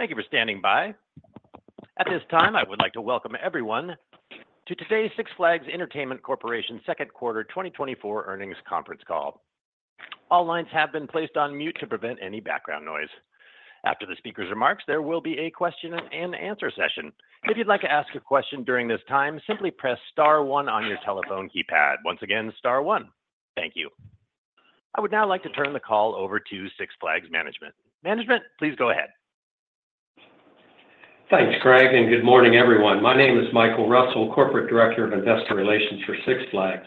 Thank you for standing by. At this time, I would like to welcome everyone to today's Six Flags Entertainment Corporation second quarter 2024 earnings conference call. All lines have been placed on mute to prevent any background noise. After the speaker's remarks, there will be a question-and-answer session. If you'd like to ask a question during this time, simply press star one on your telephone keypad. Once again, star one. Thank you. I would now like to turn the call over to Six Flags management. Management, please go ahead. Thanks, Greg, and good morning, everyone. My name is Michael Russell, Corporate Director of Investor Relations for Six Flags.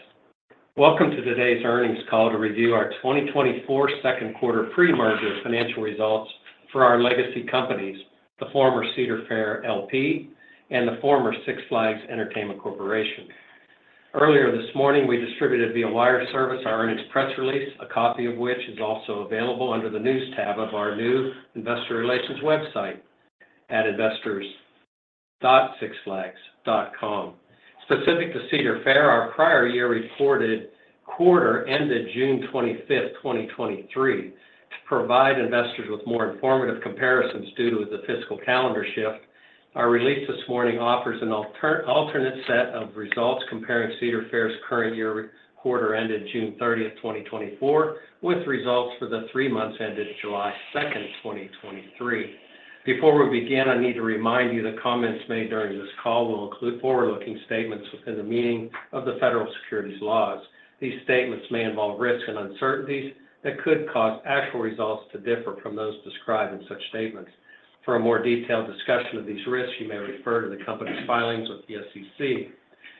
Welcome to today's earnings call to review our 2024 second quarter pre-merger financial results for our legacy companies, the former Cedar Fair, L.P. and the former Six Flags Entertainment Corporation. Earlier this morning, we distributed via wire service our earnings press release, a copy of which is also available under the News tab of our new investor relations website at investors.sixflags.com. Specific to Cedar Fair, our prior year reported quarter ended June 25, 2023. To provide investors with more informative comparisons due to the fiscal calendar shift, our release this morning offers an alternate set of results comparing Cedar Fair's current year quarter ended June 30, 2024, with results for the three months ended July 2, 2023. Before we begin, I need to remind you that comments made during this call will include forward-looking statements within the meaning of the federal securities laws. These statements may involve risks and uncertainties that could cause actual results to differ from those described in such statements. For a more detailed discussion of these risks, you may refer to the company's filings with the SEC.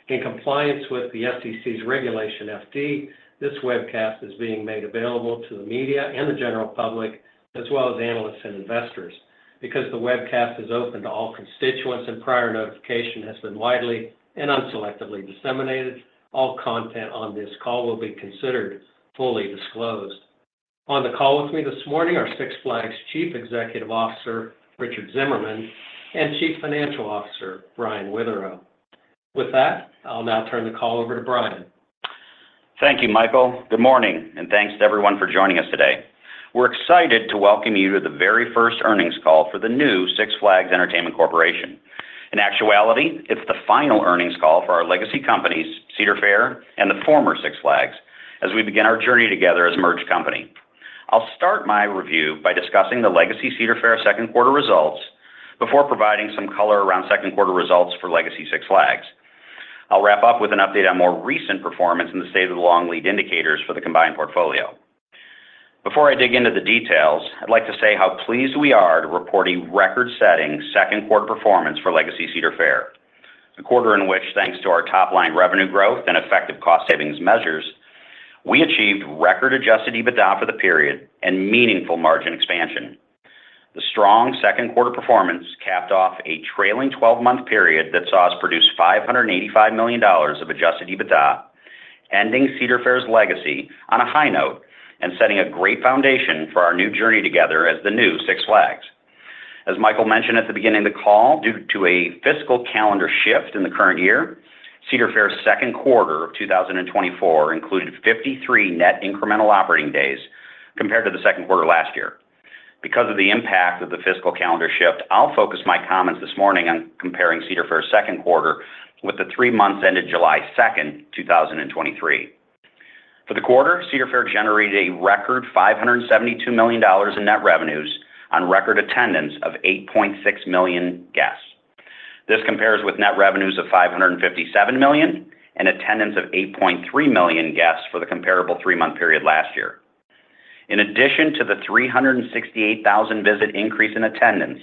In compliance with the SEC's Regulation FD, this webcast is being made available to the media and the general public, as well as analysts and investors. Because the webcast is open to all constituents and prior notification has been widely and unselectively disseminated, all content on this call will be considered fully disclosed. On the call with me this morning are Six Flags Chief Executive Officer Richard Zimmerman and Chief Financial Officer Brian Witherow. With that, I'll now turn the call over to Brian. Thank you, Michael. Good morning, and thanks to everyone for joining us today. We're excited to welcome you to the very first earnings call for the new Six Flags Entertainment Corporation. In actuality, it's the final earnings call for our legacy companies, Cedar Fair and the former Six Flags, as we begin our journey together as a merged company. I'll start my review by discussing the legacy Cedar Fair second quarter results before providing some color around second quarter results for legacy Six Flags. I'll wrap up with an update on more recent performance in the state of the long lead indicators for the combined portfolio. Before I dig into the details, I'd like to say how pleased we are to report a record-setting second quarter performance for legacy Cedar Fair. A quarter in which, thanks to our top-line revenue growth and effective cost savings measures, we achieved record Adjusted EBITDA for the period and meaningful margin expansion. The strong second quarter performance capped off a trailing twelve-month period that saw us produce $585 million of Adjusted EBITDA, ending Cedar Fair's legacy on a high note and setting a great foundation for our new journey together as the new Six Flags. As Michael mentioned at the beginning of the call, due to a fiscal calendar shift in the current year, Cedar Fair's second quarter of 2024 included 53 net incremental operating days compared to the second quarter last year. Because of the impact of the fiscal calendar shift, I'll focus my comments this morning on comparing Cedar Fair's second quarter with the three months ended July 2, 2023. For the quarter, Cedar Fair generated a record $572 million in net revenues on record attendance of 8.6 million guests. This compares with net revenues of $557 million and attendance of 8.3 million guests for the comparable three-month period last year. In addition to the 368,000 visit increase in attendance,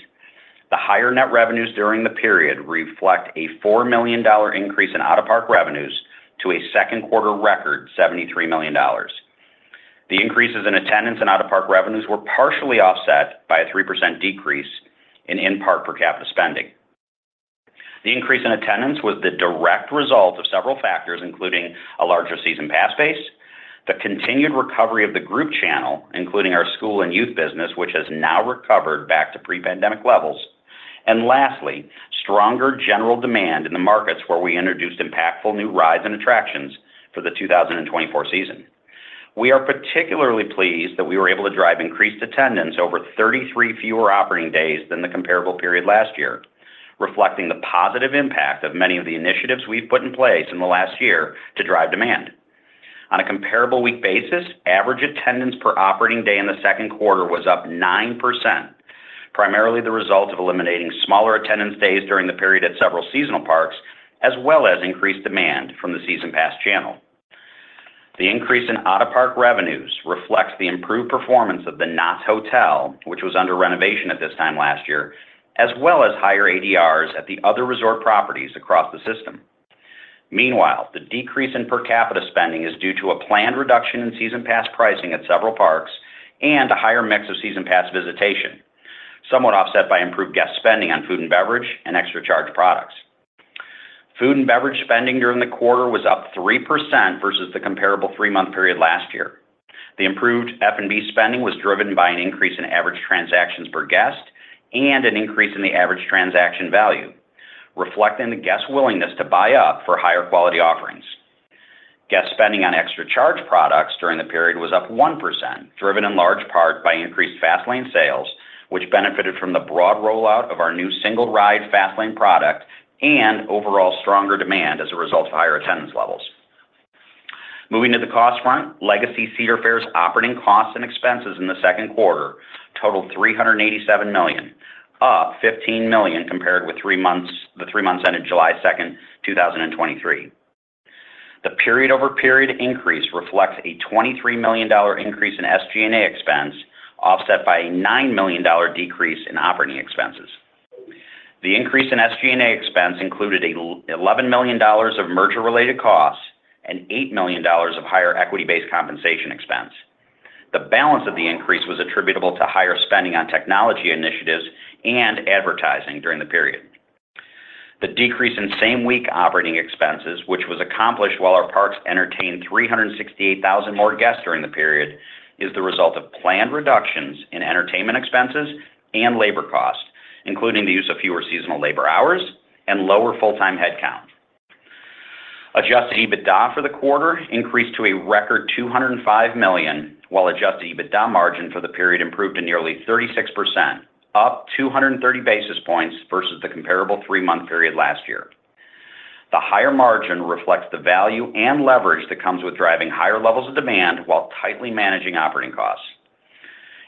the higher net revenues during the period reflect a $4 million increase in out-of-park revenues to a second quarter record, $73 million. The increases in attendance and out-of-park revenues were partially offset by a 3% decrease in in-park per capita spending. The increase in attendance was the direct result of several factors, including a larger season pass base, the continued recovery of the group channel, including our school and youth business, which has now recovered back to pre-pandemic levels, and lastly, stronger general demand in the markets where we introduced impactful new rides and attractions for the 2024 season. We are particularly pleased that we were able to drive increased attendance over 33 fewer operating days than the comparable period last year, reflecting the positive impact of many of the initiatives we've put in place in the last year to drive demand. On a comparable week basis, average attendance per operating day in the second quarter was up 9%, primarily the result of eliminating smaller attendance days during the period at several seasonal parks, as well as increased demand from the season pass channel. The increase in out-of-park revenues reflects the improved performance of the Knott's Hotel, which was under renovation at this time last year, as well as higher ADRs at the other resort properties across the system. Meanwhile, the decrease in per capita spending is due to a planned reduction in season pass pricing at several parks and a higher mix of season pass visitation, somewhat offset by improved guest spending on food and beverage and extra charge products. Food and beverage spending during the quarter was up 3% versus the comparable three-month period last year. The improved F&B spending was driven by an increase in average transactions per guest and an increase in the average transaction value, reflecting the guests' willingness to buy up for higher quality offerings. Guest spending on extra charge products during the period was up 1%, driven in large part by increased Fast Lane sales, which benefited from the broad rollout of our new Single Ride Fast Lane product and overall stronger demand as a result of higher attendance levels. Moving to the cost front, legacy Cedar Fair's operating costs and expenses in the second quarter totaled $387 million, up $15 million compared with the three months ended July 2, 2023. The period-over-period increase reflects a $23 million increase in SG&A expense, offset by a $9 million decrease in operating expenses. The increase in SG&A expense included $11 million of merger-related costs and $8 million of higher equity-based compensation expense. The balance of the increase was attributable to higher spending on technology initiatives and advertising during the period. The decrease in same-week operating expenses, which was accomplished while our parks entertained 368,000 more guests during the period, is the result of planned reductions in entertainment expenses and labor costs, including the use of fewer seasonal labor hours and lower full-time headcount. Adjusted EBITDA for the quarter increased to a record $205 million, while Adjusted EBITDA margin for the period improved to nearly 36%, up 230 basis points versus the comparable three-month period last year. The higher margin reflects the value and leverage that comes with driving higher levels of demand while tightly managing operating costs.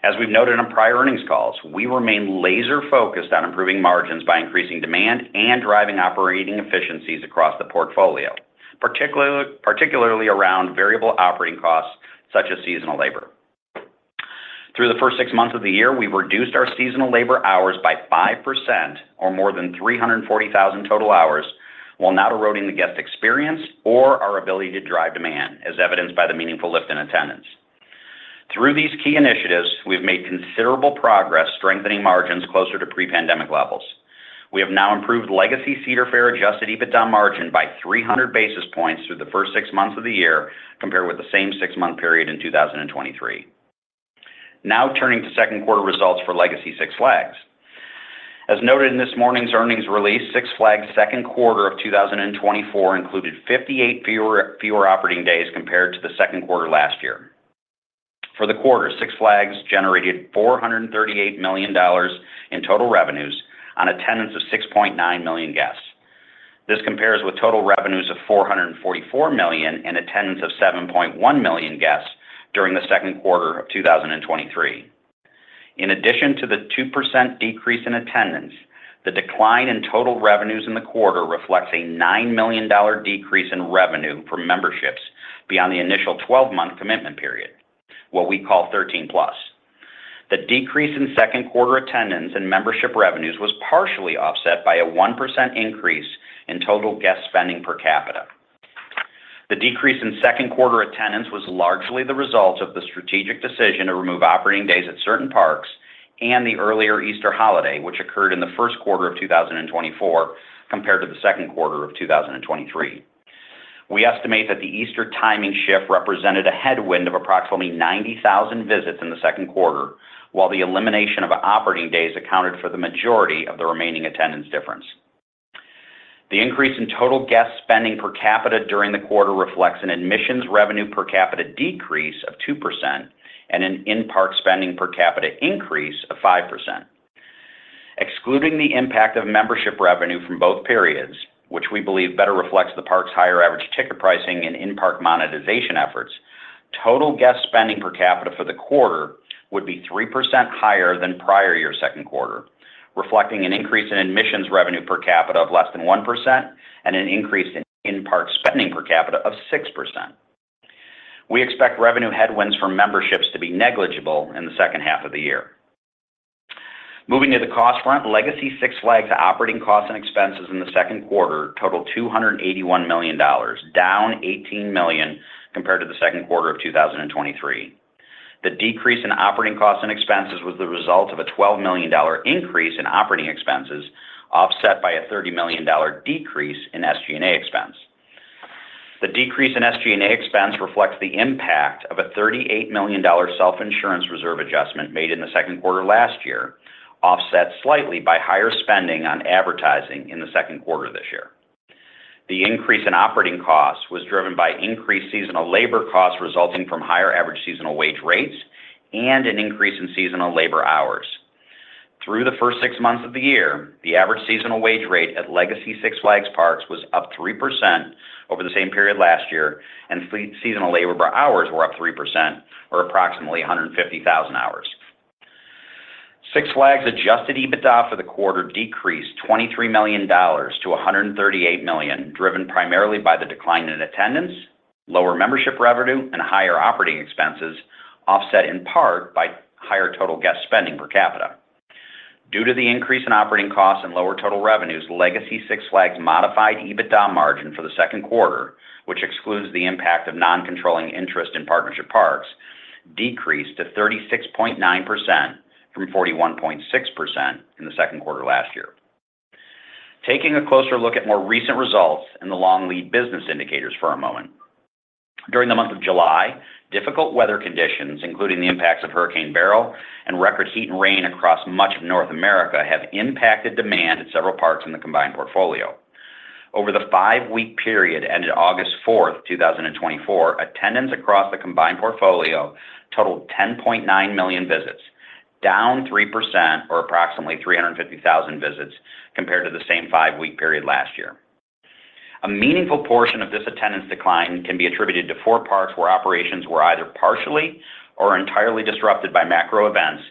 As we've noted on prior earnings calls, we remain laser-focused on improving margins by increasing demand and driving operating efficiencies across the portfolio, particularly around variable operating costs, such as seasonal labor. Through the first six months of the year, we reduced our seasonal labor hours by 5% or more than 340,000 total hours, while not eroding the guest experience or our ability to drive demand, as evidenced by the meaningful lift in attendance. Through these key initiatives, we've made considerable progress, strengthening margins closer to pre-pandemic levels. We have now improved legacy Cedar Fair Adjusted EBITDA margin by 300 basis points through the first six months of the year, compared with the same six-month period in 2023. Now, turning to second quarter results for legacy Six Flags. As noted in this morning's earnings release, Six Flags second quarter of 2024 included 58 fewer operating days compared to the second quarter last year. For the quarter, Six Flags generated $438 million in total revenues on attendance of 6.9 million guests. This compares with total revenues of $444 million and attendance of 7.1 million guests during the second quarter of 2023. In addition to the 2% decrease in attendance, the decline in total revenues in the quarter reflects a $9 million decrease in revenue from memberships beyond the initial 12-month commitment period, what we call 13+. The decrease in second quarter attendance and membership revenues was partially offset by a 1% increase in total guest spending per capita. The decrease in second quarter attendance was largely the result of the strategic decision to remove operating days at certain parks and the earlier Easter holiday, which occurred in the first quarter of 2024 compared to the second quarter of 2023. We estimate that the Easter timing shift represented a headwind of approximately 90,000 visits in the second quarter, while the elimination of operating days accounted for the majority of the remaining attendance difference. The increase in total guest spending per capita during the quarter reflects an admissions revenue per capita decrease of 2% and an in-park spending per capita increase of 5%. Excluding the impact of membership revenue from both periods, which we believe better reflects the park's higher average ticket pricing and in-park monetization efforts, total guest spending per capita for the quarter would be 3% higher than prior year second quarter, reflecting an increase in admissions revenue per capita of less than 1% and an increase in in-park spending per capita of 6%. We expect revenue headwinds from memberships to be negligible in the second half of the year. Moving to the cost front, legacy Six Flags operating costs and expenses in the second quarter totaled $281 million, down $18 million compared to the second quarter of 2023. The decrease in operating costs and expenses was the result of a $12 million increase in operating expenses, offset by a $30 million decrease in SG&A expense. The decrease in SG&A expense reflects the impact of a $38 million self-insurance reserve adjustment made in the second quarter last year, offset slightly by higher spending on advertising in the second quarter this year. The increase in operating costs was driven by increased seasonal labor costs resulting from higher average seasonal wage rates and an increase in seasonal labor hours. Through the first six months of the year, the average seasonal wage rate at legacy Six Flags parks was up 3% over the same period last year, and seasonal labor hours were up 3%, or approximately 150,000 hours. Six Flags Adjusted EBITDA for the quarter decreased $23 million to $138 million, driven primarily by the decline in attendance, lower membership revenue, and higher operating expenses, offset in part by higher total guest spending per capita. Due to the increase in operating costs and lower total revenues, legacy Six Flags Modified EBITDA margin for the second quarter, which excludes the impact of non-controlling interest in partnership parks, decreased to 36.9% from 41.6% in the second quarter last year. Taking a closer look at more recent results and the long lead business indicators for a moment. During the month of July, difficult weather conditions, including the impacts of Hurricane Beryl and record heat and rain across much of North America, have impacted demand at several parks in the combined portfolio. Over the five-week period ended August 4, 2024, attendance across the combined portfolio totaled 10.9 million visits, down 3% or approximately 350,000 visits compared to the same five-week period last year. A meaningful portion of this attendance decline can be attributed to 4 parks, where operations were either partially or entirely disrupted by macro events,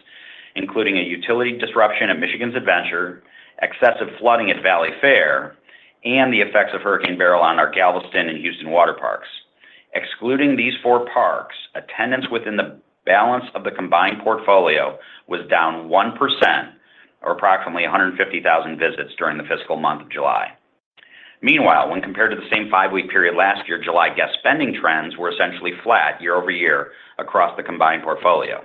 including a utility disruption at Michigan's Adventure, excessive flooding at Valleyfair, and the effects of Hurricane Beryl on our Galveston and Houston water parks. Excluding these 4 parks, attendance within the balance of the combined portfolio was down 1%, or approximately 150,000 visits during the fiscal month of July. Meanwhile, when compared to the same 5-week period last year, July guest spending trends were essentially flat year-over-year across the combined portfolio.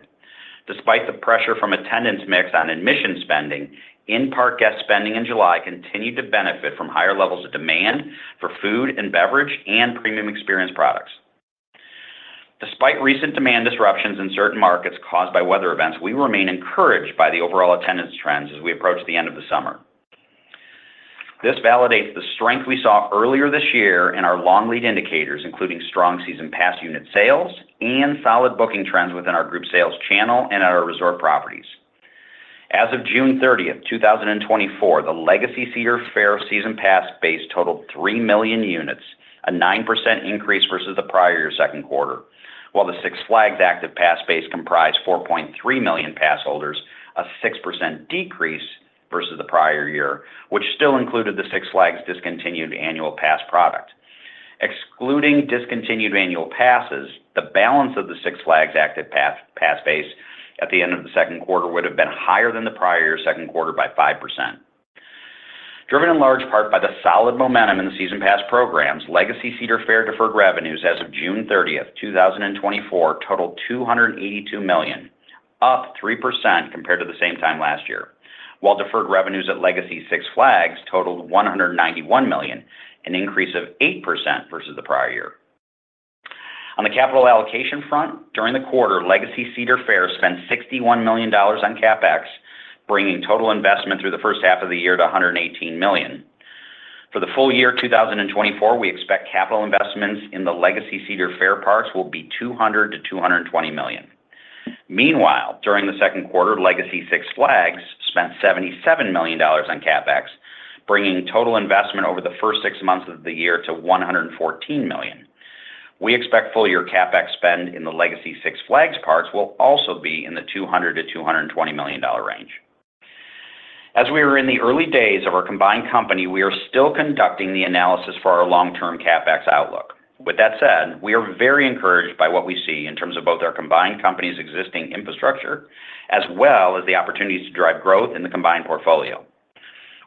Despite the pressure from attendance mix on admission spending, in-park guest spending in July continued to benefit from higher levels of demand for food and beverage and premium experience products. Despite recent demand disruptions in certain markets caused by weather events, we remain encouraged by the overall attendance trends as we approach the end of the summer. This validates the strength we saw earlier this year in our long lead indicators, including strong season pass unit sales and solid booking trends within our group sales channel and at our resort properties. As of June 30th, 2024, the legacy Cedar Fair season pass base totaled 3 million units, a 9% increase versus the prior year second quarter, while the Six Flags active pass base comprised 4.3 million pass holders, a 6% decrease versus the prior year, which still included the Six Flags discontinued annual pass product. Excluding discontinued annual passes, the balance of the Six Flags active pass base at the end of the second quarter would have been higher than the prior year second quarter by 5%. Driven in large part by the solid momentum in the season pass programs, legacy Cedar Fair deferred revenues as of June 30, 2024, totaled $282 million, up 3% compared to the same time last year, while deferred revenues at legacy Six Flags totaled $191 million, an increase of 8% versus the prior year. On the capital allocation front, during the quarter, legacy Cedar Fair spent $61 million on CapEx, bringing total investment through the first half of the year to $118 million. For the full year 2024, we expect capital investments in the legacy Cedar Fair parks will be $200 million-$220 million. Meanwhile, during the second quarter, legacy Six Flags spent $77 million on CapEx, bringing total investment over the first six months of the year to $114 million. We expect full year CapEx spend in the legacy Six Flags parks will also be in the $200 million-$220 million range. As we are in the early days of our combined company, we are still conducting the analysis for our long-term CapEx outlook. With that said, we are very encouraged by what we see in terms of both our combined company's existing infrastructure, as well as the opportunities to drive growth in the combined portfolio.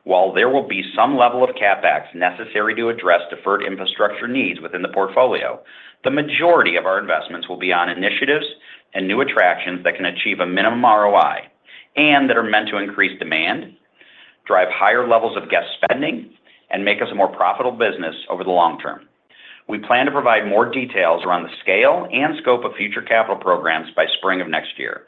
While there will be some level of CapEx necessary to address deferred infrastructure needs within the portfolio, the majority of our investments will be on initiatives and new attractions that can achieve a minimum ROI and that are meant to increase demand, drive higher levels of guest spending, and make us a more profitable business over the long term. We plan to provide more details around the scale and scope of future capital programs by spring of next year.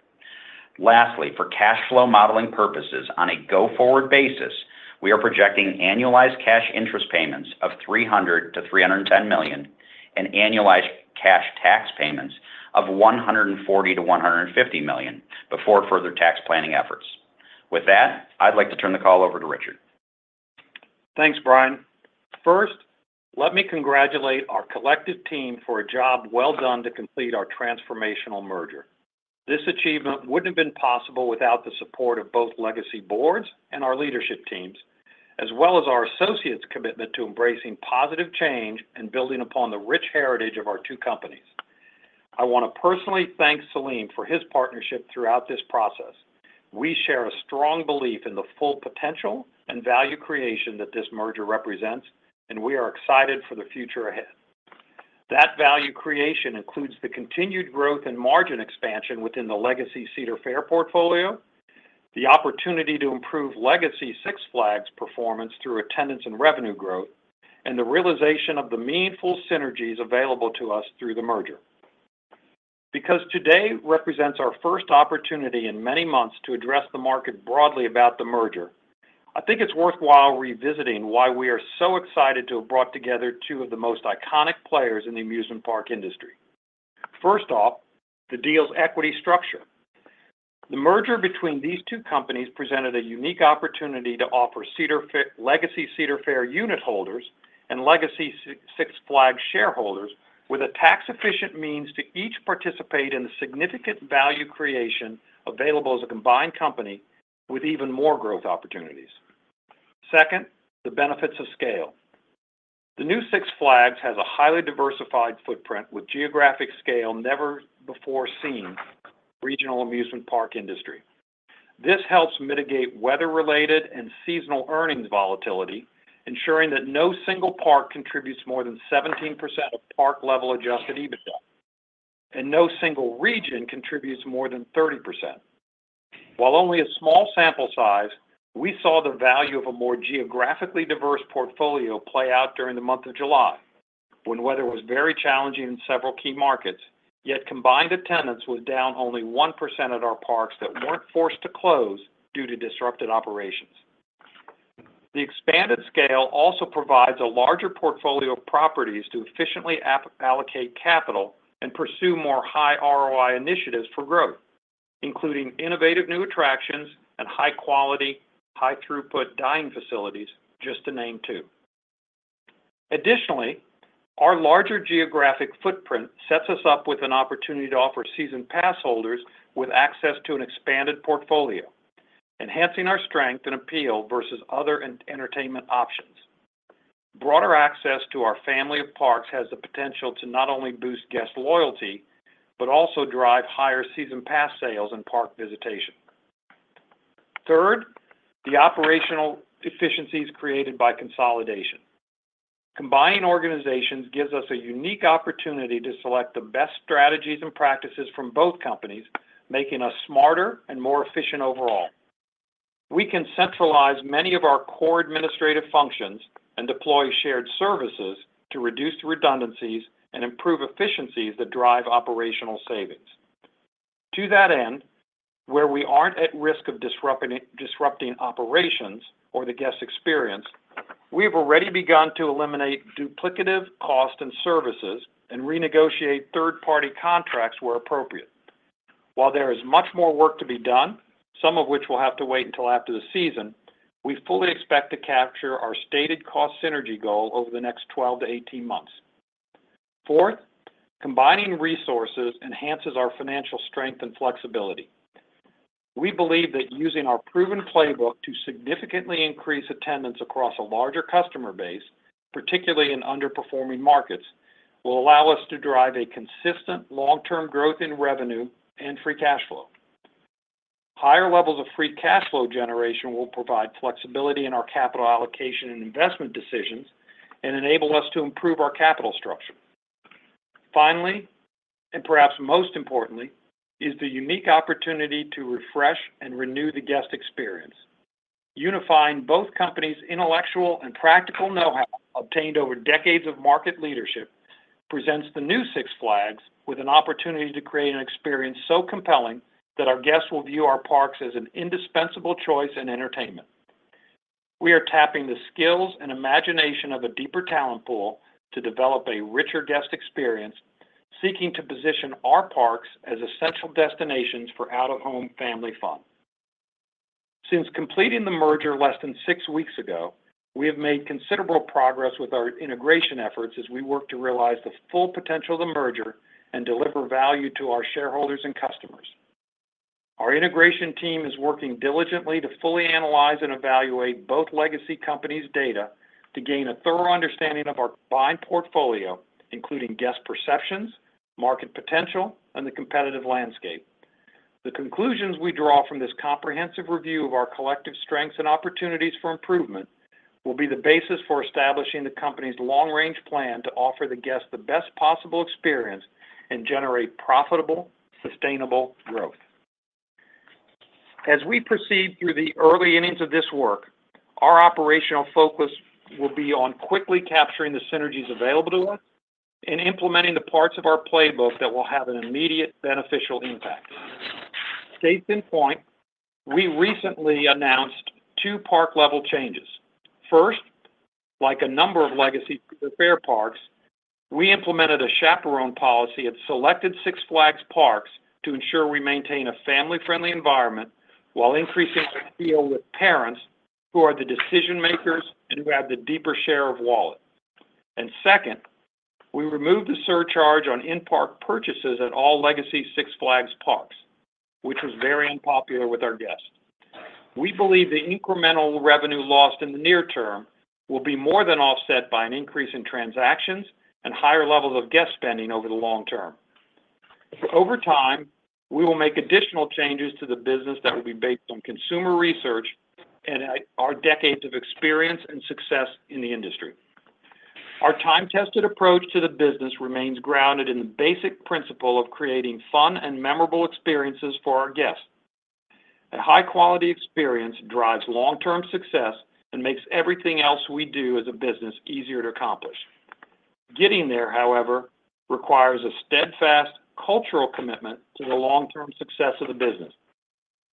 Lastly, for cash flow modeling purposes, on a go-forward basis, we are projecting annualized cash interest payments of $300 million-$310 million, and annualized cash tax payments of $140 million-$150 million before further tax planning efforts. With that, I'd like to turn the call over to Richard. Thanks, Brian. First, let me congratulate our collective team for a job well done to complete our transformational merger. This achievement wouldn't have been possible without the support of both legacy boards and our leadership teams, as well as our associates' commitment to embracing positive change and building upon the rich heritage of our two companies. I want to personally thank Selim for his partnership throughout this process. We share a strong belief in the full potential and value creation that this merger represents, and we are excited for the future ahead. That value creation includes the continued growth and margin expansion within the legacy Cedar Fair portfolio, the opportunity to improve legacy Six Flags performance through attendance and revenue growth, and the realization of the meaningful synergies available to us through the merger. Because today represents our first opportunity in many months to address the market broadly about the merger, I think it's worthwhile revisiting why we are so excited to have brought together two of the most iconic players in the amusement park industry. First off, the deal's equity structure. The merger between these two companies presented a unique opportunity to offer Cedar Fair—legacy Cedar Fair unitholders and legacy Six Flags shareholders with a tax-efficient means to each participate in the significant value creation available as a combined company with even more growth opportunities. Second, the benefits of scale. The new Six Flags has a highly diversified footprint with geographic scale never before seen regional amusement park industry. This helps mitigate weather-related and seasonal earnings volatility, ensuring that no single park contributes more than 17% of park-level Adjusted EBITDA, and no single region contributes more than 30%. While only a small sample size, we saw the value of a more geographically diverse portfolio play out during the month of July, when weather was very challenging in several key markets, yet combined attendance was down only 1% at our parks that weren't forced to close due to disrupted operations. The expanded scale also provides a larger portfolio of properties to efficiently allocate capital and pursue more high ROI initiatives for growth, including innovative new attractions and high-quality, high-throughput dining facilities, just to name two. Additionally, our larger geographic footprint sets us up with an opportunity to offer season pass holders with access to an expanded portfolio, enhancing our strength and appeal versus other entertainment options. Broader access to our family of parks has the potential to not only boost guest loyalty, but also drive higher season pass sales and park visitation. Third, the operational efficiencies created by consolidation. Combining organizations gives us a unique opportunity to select the best strategies and practices from both companies, making us smarter and more efficient overall. We can centralize many of our core administrative functions and deploy shared services to reduce redundancies and improve efficiencies that drive operational savings. To that end, where we aren't at risk of disrupting operations or the guest experience, we have already begun to eliminate duplicative costs and services and renegotiate third-party contracts where appropriate. While there is much more work to be done, some of which will have to wait until after the season, we fully expect to capture our stated cost synergy goal over the next 12 to 18 months. Fourth, combining resources enhances our financial strength and flexibility. We believe that using our proven playbook to significantly increase attendance across a larger customer base, particularly in underperforming markets, will allow us to drive a consistent long-term growth in revenue and free cash flow. Higher levels of free cash flow generation will provide flexibility in our capital allocation and investment decisions and enable us to improve our capital structure. Finally, and perhaps most importantly, is the unique opportunity to refresh and renew the guest experience. Unifying both companies' intellectual and practical know-how, obtained over decades of market leadership, presents the new Six Flags with an opportunity to create an experience so compelling that our guests will view our parks as an indispensable choice in entertainment. We are tapping the skills and imagination of a deeper talent pool to develop a richer guest experience, seeking to position our parks as essential destinations for out-of-home family fun. Since completing the merger less than six weeks ago, we have made considerable progress with our integration efforts as we work to realize the full potential of the merger and deliver value to our shareholders and customers. Our integration team is working diligently to fully analyze and evaluate both legacy companies' data to gain a thorough understanding of our combined portfolio, including guest perceptions, market potential, and the competitive landscape. The conclusions we draw from this comprehensive review of our collective strengths and opportunities for improvement will be the basis for establishing the company's long-range plan to offer the guests the best possible experience and generate profitable, sustainable growth. As we proceed through the early innings of this work, our operational focus will be on quickly capturing the synergies available to us and implementing the parts of our playbook that will have an immediate beneficial impact. Case in point, we recently announced two park-level changes. First, like a number of legacy Cedar Fair parks, we implemented a chaperone policy at selected Six Flags parks to ensure we maintain a family-friendly environment while increasing the appeal with parents who are the decision makers and who have the deeper share of wallet. Second, we removed the surcharge on in-park purchases at all legacy Six Flags parks, which was very unpopular with our guests. We believe the incremental revenue lost in the near term will be more than offset by an increase in transactions and higher levels of guest spending over the long term. Over time, we will make additional changes to the business that will be based on consumer research and our decades of experience and success in the industry. Our time-tested approach to the business remains grounded in the basic principle of creating fun and memorable experiences for our guests. A high-quality experience drives long-term success and makes everything else we do as a business easier to accomplish. Getting there, however, requires a steadfast cultural commitment to the long-term success of the business.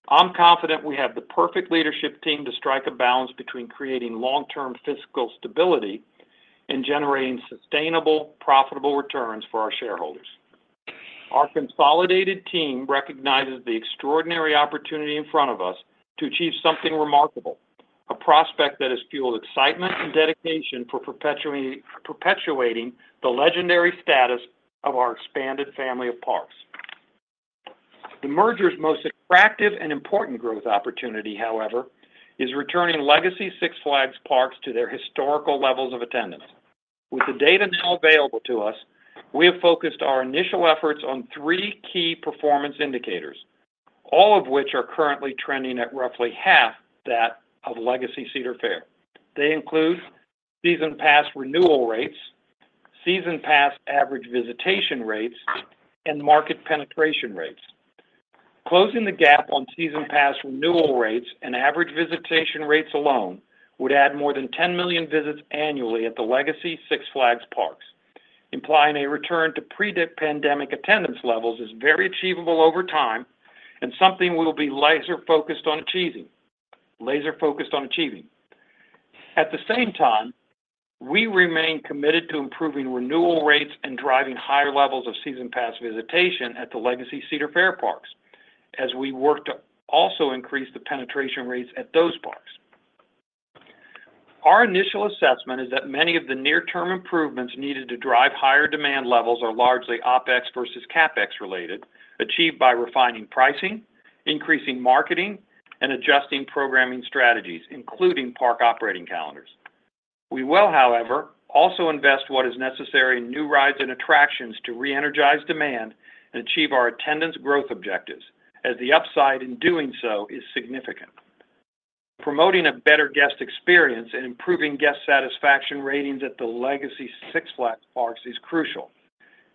I'm confident we have the perfect leadership team to strike a balance between creating long-term fiscal stability and generating sustainable, profitable returns for our shareholders. Our consolidated team recognizes the extraordinary opportunity in front of us to achieve something remarkable, a prospect that has fueled excitement and dedication for perpetuating the legendary status of our expanded family of parks. The merger's most attractive and important growth opportunity, however, is returning legacy Six Flags parks to their historical levels of attendance. With the data now available to us, we have focused our initial efforts on three key performance indicators, all of which are currently trending at roughly half that of legacy Cedar Fair. They include season pass renewal rates, season pass average visitation rates, and market penetration rates... Closing the gap on season pass renewal rates and average visitation rates alone would add more than 10 million visits annually at the legacy Six Flags parks, implying a return to pre-pandemic attendance levels is very achievable over time and something we will be laser-focused on achieving. At the same time, we remain committed to improving renewal rates and driving higher levels of season pass visitation at the legacy Cedar Fair parks, as we work to also increase the penetration rates at those parks. Our initial assessment is that many of the near-term improvements needed to drive higher demand levels are largely OpEx versus CapEx related, achieved by refining pricing, increasing marketing, and adjusting programming strategies, including park operating calendars. We will, however, also invest what is necessary in new rides and attractions to reenergize demand and achieve our attendance growth objectives, as the upside in doing so is significant. Promoting a better guest experience and improving guest satisfaction ratings at the legacy Six Flags parks is crucial.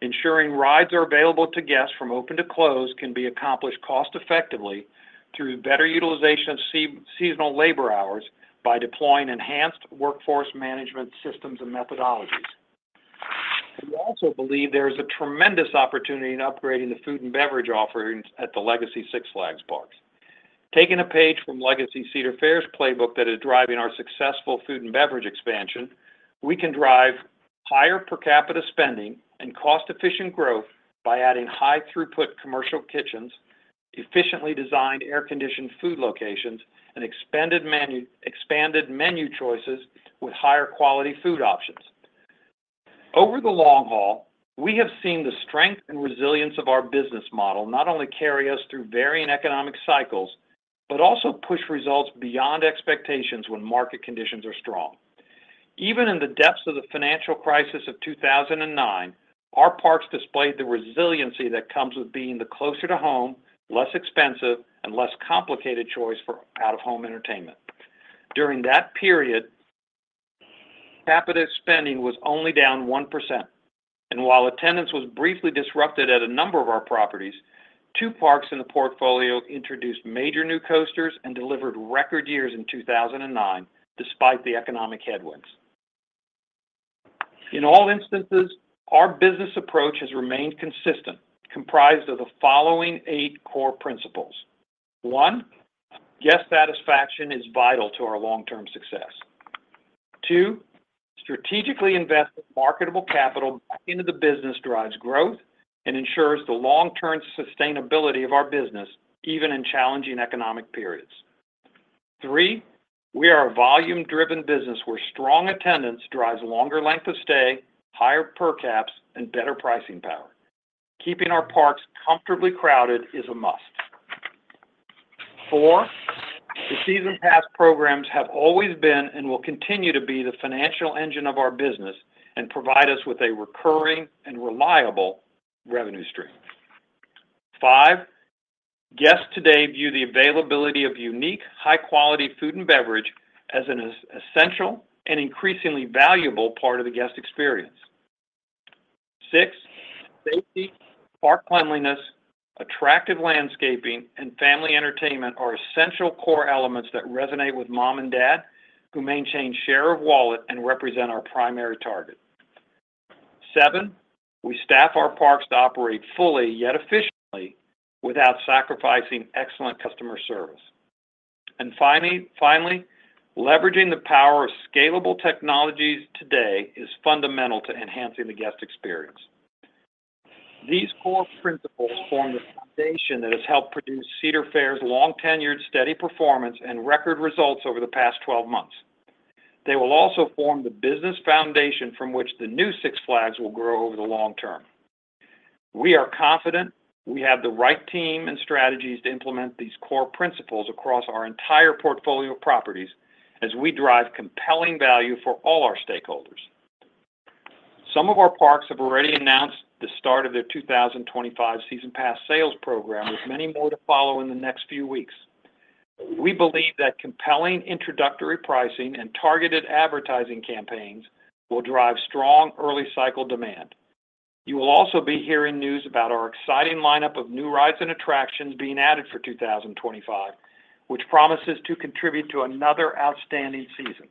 Ensuring rides are available to guests from open to close can be accomplished cost-effectively through better utilization of seasonal labor hours by deploying enhanced workforce management systems and methodologies. We also believe there is a tremendous opportunity in upgrading the food and beverage offerings at the legacy Six Flags parks. Taking a page from legacy Cedar Fair's playbook that is driving our successful food and beverage expansion, we can drive higher per capita spending and cost-efficient growth by adding high throughput commercial kitchens, efficiently designed air-conditioned food locations, and expanded menu choices with higher quality food options. Over the long haul, we have seen the strength and resilience of our business model not only carry us through varying economic cycles, but also push results beyond expectations when market conditions are strong. Even in the depths of the financial crisis of 2009, our parks displayed the resiliency that comes with being the closer to home, less expensive, and less complicated choice for out-of-home entertainment. During that period, per capita spending was only down 1%, and while attendance was briefly disrupted at a number of our properties, two parks in the portfolio introduced major new coasters and delivered record years in 2009, despite the economic headwinds. In all instances, our business approach has remained consistent, comprised of the following eight core principles: 1, guest satisfaction is vital to our long-term success. Two, strategically invested marketable capital into the business drives growth and ensures the long-term sustainability of our business, even in challenging economic periods. Three, we are a volume-driven business where strong attendance drives longer length of stay, higher per caps, and better pricing power. Keeping our parks comfortably crowded is a must. Four, the season pass programs have always been and will continue to be the financial engine of our business and provide us with a recurring and reliable revenue stream. Five, guests today view the availability of unique, high-quality food and beverage as an essential and increasingly valuable part of the guest experience. Six, safety, park cleanliness, attractive landscaping, and family entertainment are essential core elements that resonate with mom and dad, who maintain share of wallet and represent our primary target. Seven, we staff our parks to operate fully, yet efficiently, without sacrificing excellent customer service. And finally, finally, leveraging the power of scalable technologies today is fundamental to enhancing the guest experience. These core principles form the foundation that has helped produce Cedar Fair's long-tenured, steady performance and record results over the past 12 months. They will also form the business foundation from which the new Six Flags will grow over the long term. We are confident we have the right team and strategies to implement these core principles across our entire portfolio of properties as we drive compelling value for all our stakeholders. Some of our parks have already announced the start of their 2025 season pass sales program, with many more to follow in the next few weeks. We believe that compelling introductory pricing and targeted advertising campaigns will drive strong early cycle demand. You will also be hearing news about our exciting lineup of new rides and attractions being added for 2025, which promises to contribute to another outstanding season.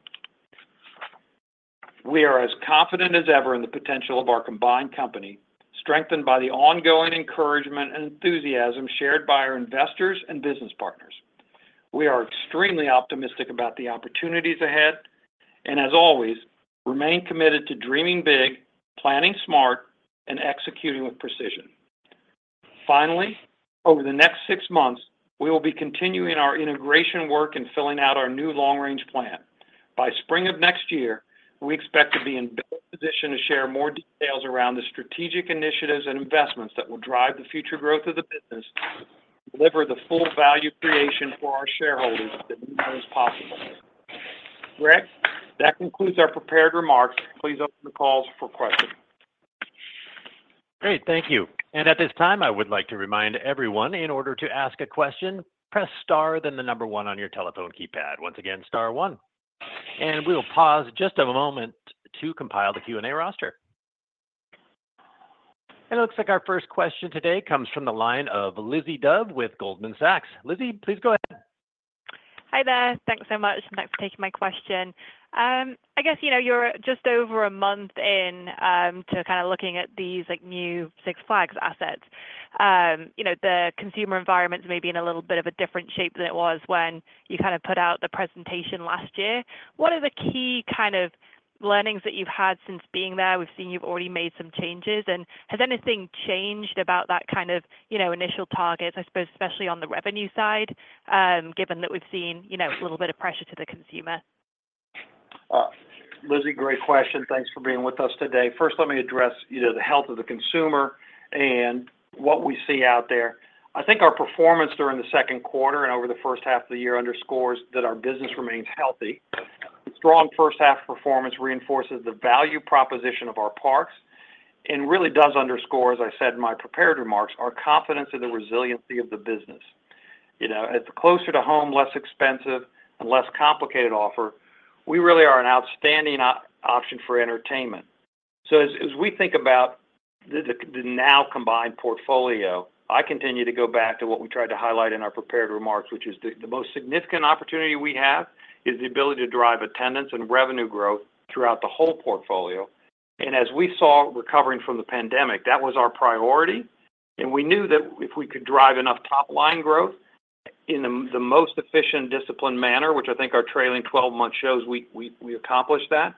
We are as confident as ever in the potential of our combined company, strengthened by the ongoing encouragement and enthusiasm shared by our investors and business partners. We are extremely optimistic about the opportunities ahead and, as always, remain committed to dreaming big, planning smart, and executing with precision. Finally, over the next six months, we will be continuing our integration work and filling out our new long-range plan. By spring of next year, we expect to be in a better position to share more details around the strategic initiatives and investments that will drive the future growth of the business, deliver the full value creation for our shareholders that we know is possible. Greg, that concludes our prepared remarks. Please open the calls for questions. Great. Thank you. And at this time, I would like to remind everyone, in order to ask a question, press star, then the number one on your telephone keypad. Once again, star one. And we will pause just a moment to compile the Q&A roster.... It looks like our first question today comes from the line of Lizzie Dove with Goldman Sachs. Lizzie, please go ahead. Hi there. Thanks so much, and thanks for taking my question. I guess, you know, you're just over a month in, to kind of looking at these, like, new Six Flags assets. You know, the consumer environment may be in a little bit of a different shape than it was when you kind of put out the presentation last year. What are the key kind of learnings that you've had since being there? We've seen you've already made some changes, and has anything changed about that kind of, you know, initial targets, I suppose, especially on the revenue side, given that we've seen, you know, a little bit of pressure to the consumer? Lizzie, great question. Thanks for being with us today. First, let me address, you know, the health of the consumer and what we see out there. I think our performance during the second quarter and over the first half of the year underscores that our business remains healthy. Strong first half performance reinforces the value proposition of our parks and really does underscore, as I said in my prepared remarks, our confidence in the resiliency of the business. You know, as closer to home, less expensive and less complicated offer, we really are an outstanding option for entertainment. So as we think about the now combined portfolio, I continue to go back to what we tried to highlight in our prepared remarks, which is the most significant opportunity we have, is the ability to drive attendance and revenue growth throughout the whole portfolio. And as we saw recovering from the pandemic, that was our priority, and we knew that if we could drive enough top-line growth in the most efficient, disciplined manner, which I think our trailing twelve-month shows, we accomplished that.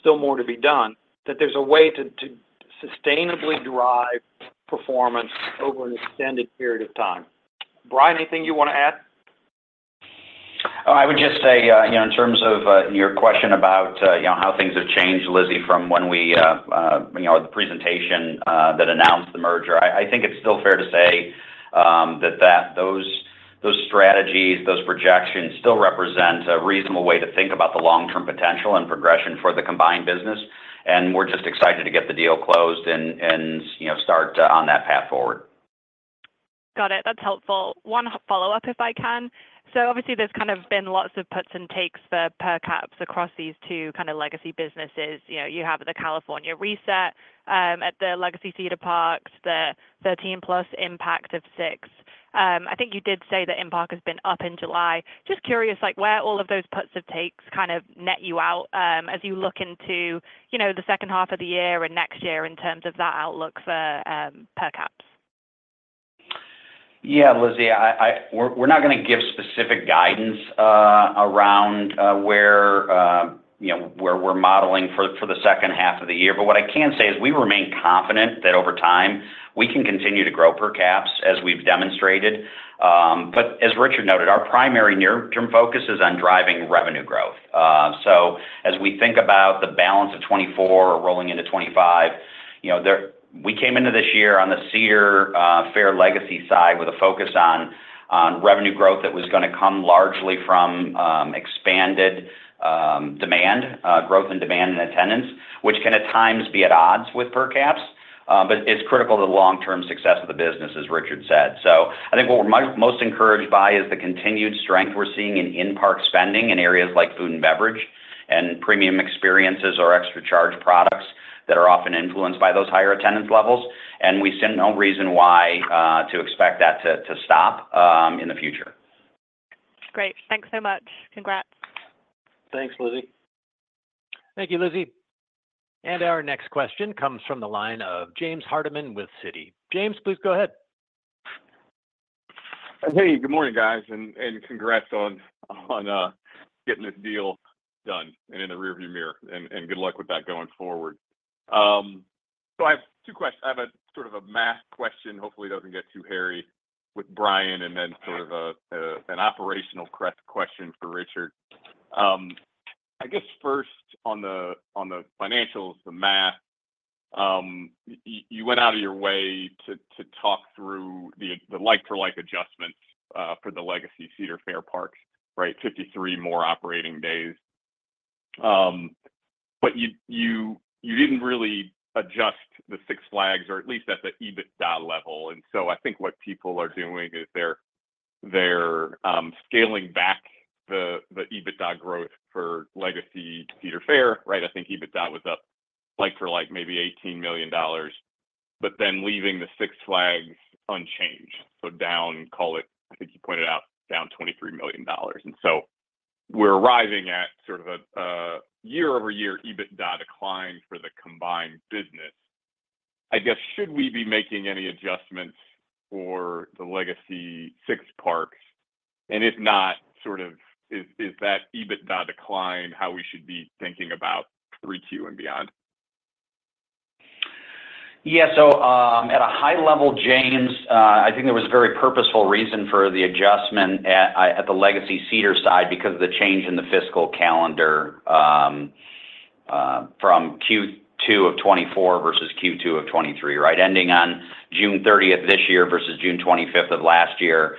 Still more to be done, that there's a way to sustainably drive performance over an extended period of time. Brian, anything you want to add? I would just say, you know, in terms of your question about, you know, how things have changed, Lizzie, from when we, you know, the presentation that announced the merger, I think it's still fair to say that those strategies, those projections still represent a reasonable way to think about the long-term potential and progression for the combined business. And we're just excited to get the deal closed and, you know, start on that path forward. Got it. That's helpful. One follow-up, if I can. So obviously, there's kind of been lots of puts and takes for per caps across these two kind of legacy businesses. You know, you have the California reset at the legacy Cedar parks, the 13+ impact of Six. I think you did say the impact has been up in July. Just curious, like, where all of those puts and takes kind of net you out, as you look into, you know, the second half of the year and next year in terms of that outlook for per caps? Yeah, Lizzie, I—we're not gonna give specific guidance around, you know, where we're modeling for the second half of the year. But what I can say is we remain confident that over time, we can continue to grow per caps as we've demonstrated. But as Richard noted, our primary near-term focus is on driving revenue growth. So as we think about the balance of 2024 rolling into 2025, you know, we came into this year on the Cedar Fair legacy side with a focus on revenue growth that was gonna come largely from expanded demand growth and demand and attendance, which can at times be at odds with per caps. But it's critical to the long-term success of the business, as Richard said. So I think what we're most encouraged by is the continued strength we're seeing in in-park spending in areas like food and beverage, and premium experiences or extra charge products that are often influenced by those higher attendance levels. And we see no reason why to expect that to stop in the future. Great. Thanks so much. Congrats. Thanks, Lizzie. Thank you, Lizzie. Our next question comes from the line of James Hardiman with Citi. James, please go ahead. Hey, good morning, guys, and congrats on getting this deal done and in the rearview mirror, and good luck with that going forward. So I have two questions. I have a sort of a math question. Hopefully, it doesn't get too hairy with Brian, and then sort of an operational question for Richard. I guess first on the financials, the math, you went out of your way to talk through the like-for-like adjustments for the legacy Cedar Fair Park, right? 53 more operating days. But you didn't really adjust the Six Flags, or at least at the EBITDA level. And so I think what people are doing is they're scaling back the EBITDA growth for legacy Cedar Fair, right? I think EBITDA was up, like for, like, maybe $18 million, but then leaving the Six Flags unchanged. So down, call it... I think you pointed out, down $23 million. And so we're arriving at sort of a, a year-over-year EBITDA decline for the combined business. I guess, should we be making any adjustments for the legacy Six Flags? And if not, sort of, is, is that EBITDA decline, how we should be thinking about 3Q and beyond? Yeah. So, at a high level, James, I think there was a very purposeful reason for the adjustment at the legacy Cedar side because of the change in the fiscal calendar from Q2 of 2024 versus Q2 of 2023, right? Ending on June 30th this year versus June 25th of last year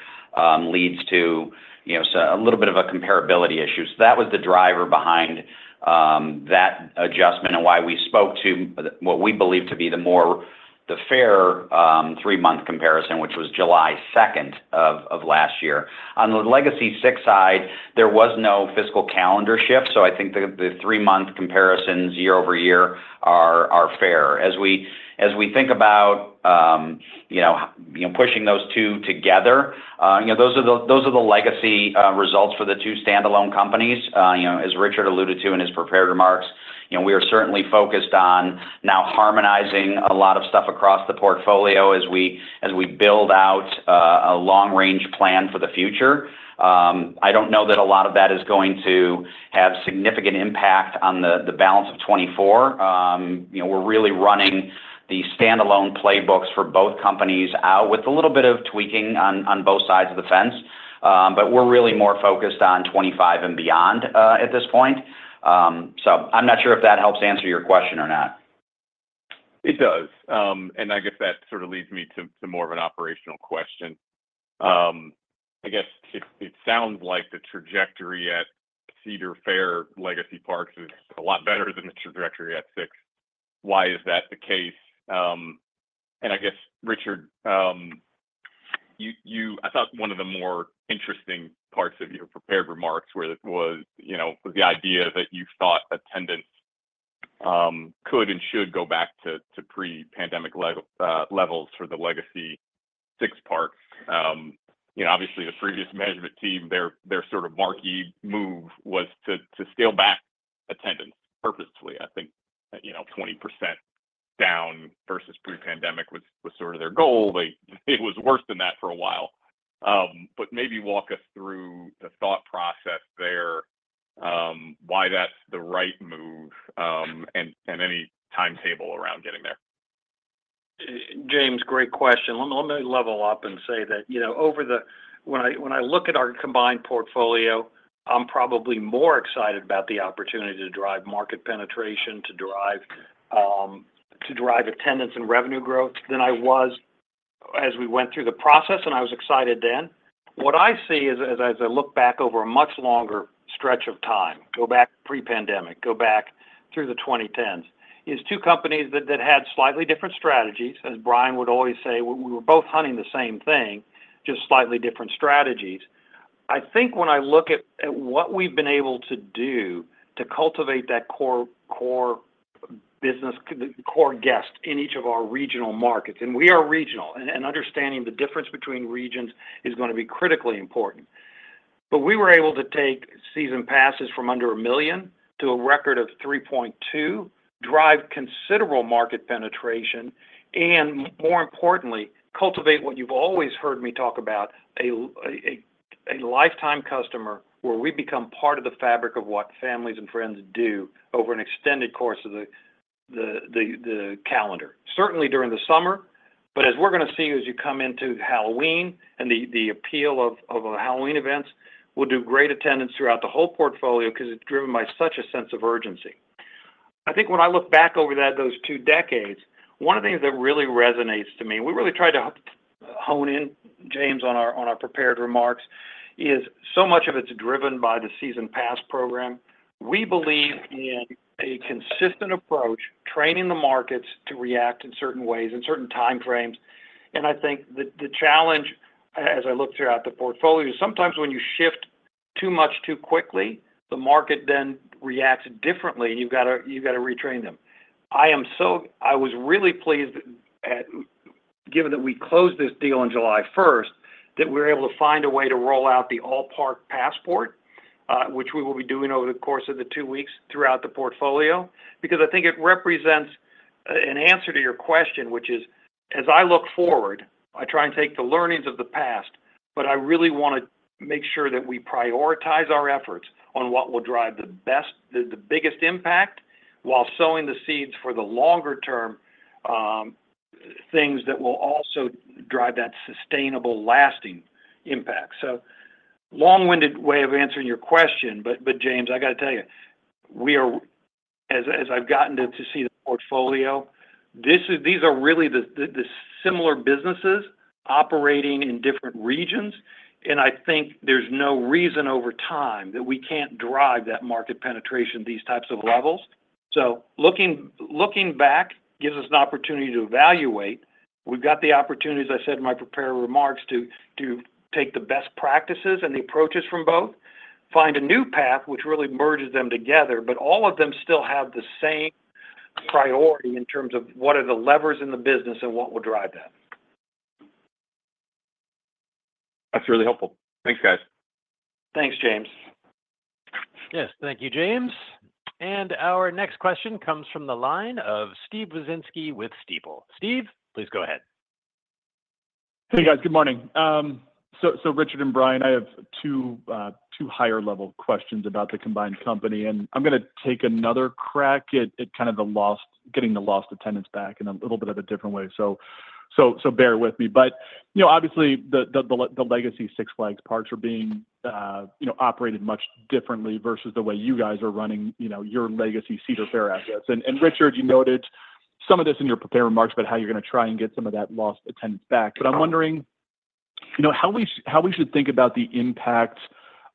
leads to, you know, so a little bit of a comparability issue. So that was the driver behind that adjustment and why we spoke to what we believe to be the fair three-month comparison, which was July 2nd of last year. On the legacy Six side, there was no fiscal calendar shift, so I think the three-month comparisons year-over-year are fair. As we think about, you know, pushing those two together, you know, those are the legacy results for the two standalone companies. You know, as Richard alluded to in his prepared remarks, you know, we are certainly focused on now harmonizing a lot of stuff across the portfolio as we build out a long-range plan for the future. I don't know that a lot of that is going to have significant impact on the balance of 2024. You know, we're really running the standalone playbooks for both companies out with a little bit of tweaking on both sides of the fence. But we're really more focused on 2025 and beyond, at this point. So I'm not sure if that helps answer your question or not. It does. And I guess that sort of leads me to more of an operational question. I guess it sounds like the trajectory at Cedar Fair legacy parks is a lot better than the trajectory at Six. Why is that the case? And I guess, Richard, you—I thought one of the more interesting parts of your prepared remarks was that was, you know, the idea that you thought attendance could and should go back to pre-pandemic levels for the legacy Six parks. You know, obviously, the previous management team, their sort of marquee move was to scale back attendance purposefully. I think, you know, 20% down versus pre-pandemic was sort of their goal. They, it was worse than that for a while. But maybe walk us through the thought process there, why that's the right move, and any timetable around getting there. James, great question. Let me level up and say that, you know, over the, when I look at our combined portfolio, I'm probably more excited about the opportunity to drive market penetration, to derive, to derive attendance and revenue growth than I was as we went through the process, and I was excited then. What I see is, as I look back over a much longer stretch of time, go back pre-pandemic, go back through the twenty tens, is two companies that had slightly different strategies. As Brian would always say, "We, we were both hunting the same thing, just slightly different strategies." I think when I look at what we've been able to do to cultivate that core business, core guest in each of our regional markets, and we are regional, and understanding the difference between regions is gonna be critically important. But we were able to take season passes from under 1 million to a record of 3.2, drive considerable market penetration, and more importantly, cultivate what you've always heard me talk about, a lifetime customer, where we become part of the fabric of what families and friends do over an extended course of the calendar. Certainly, during the summer, but as we're gonna see, as you come into Halloween, and the appeal of Halloween events will do great attendance throughout the whole portfolio because it's driven by such a sense of urgency. I think when I look back over that, those two decades, one of the things that really resonates to me, and we really tried to hone in, James, on our prepared remarks, is so much of it's driven by the season pass program. We believe in a consistent approach, training the markets to react in certain ways, in certain time frames. And I think the challenge, as I look throughout the portfolio, sometimes when you shift too much too quickly, the market then reacts differently, and you've gotta retrain them. I was really pleased, given that we closed this deal on July 1st, that we're able to find a way to roll out the All Park Passport, which we will be doing over the course of the two weeks throughout the portfolio. Because I think it represents an answer to your question, which is, as I look forward, I try and take the learnings of the past, but I really wanna make sure that we prioritize our efforts on what will drive the biggest impact, while sowing the seeds for the longer term, things that will also drive that sustainable, lasting impact. So long-winded way of answering your question, but James, I gotta tell you, we are. As I've gotten to see the portfolio, this is—these are really the similar businesses operating in different regions, and I think there's no reason over time that we can't drive that market penetration, these types of levels. So looking back gives us an opportunity to evaluate. We've got the opportunity, as I said in my prepared remarks, to take the best practices and the approaches from both, find a new path, which really merges them together. But all of them still have the same priority in terms of what are the levers in the business and what will drive that? That's really helpful. Thanks, guys. Thanks, James. Yes, thank you, James. Our next question comes from the line of Steve Wieczynski with Stifel. Steve, please go ahead. Hey, guys. Good morning. So, Richard and Brian, I have two higher level questions about the combined company, and I'm gonna take another crack at kind of getting the lost attendance back in a little bit of a different way. So bear with me. But, you know, obviously, the legacy Six Flags parks are being, you know, operated much differently versus the way you guys are running, you know, your legacy Cedar Fair assets. And, Richard, you noted some of this in your prepared remarks about how you're gonna try and get some of that lost attendance back. But I'm wondering-... You know, how we should think about the impact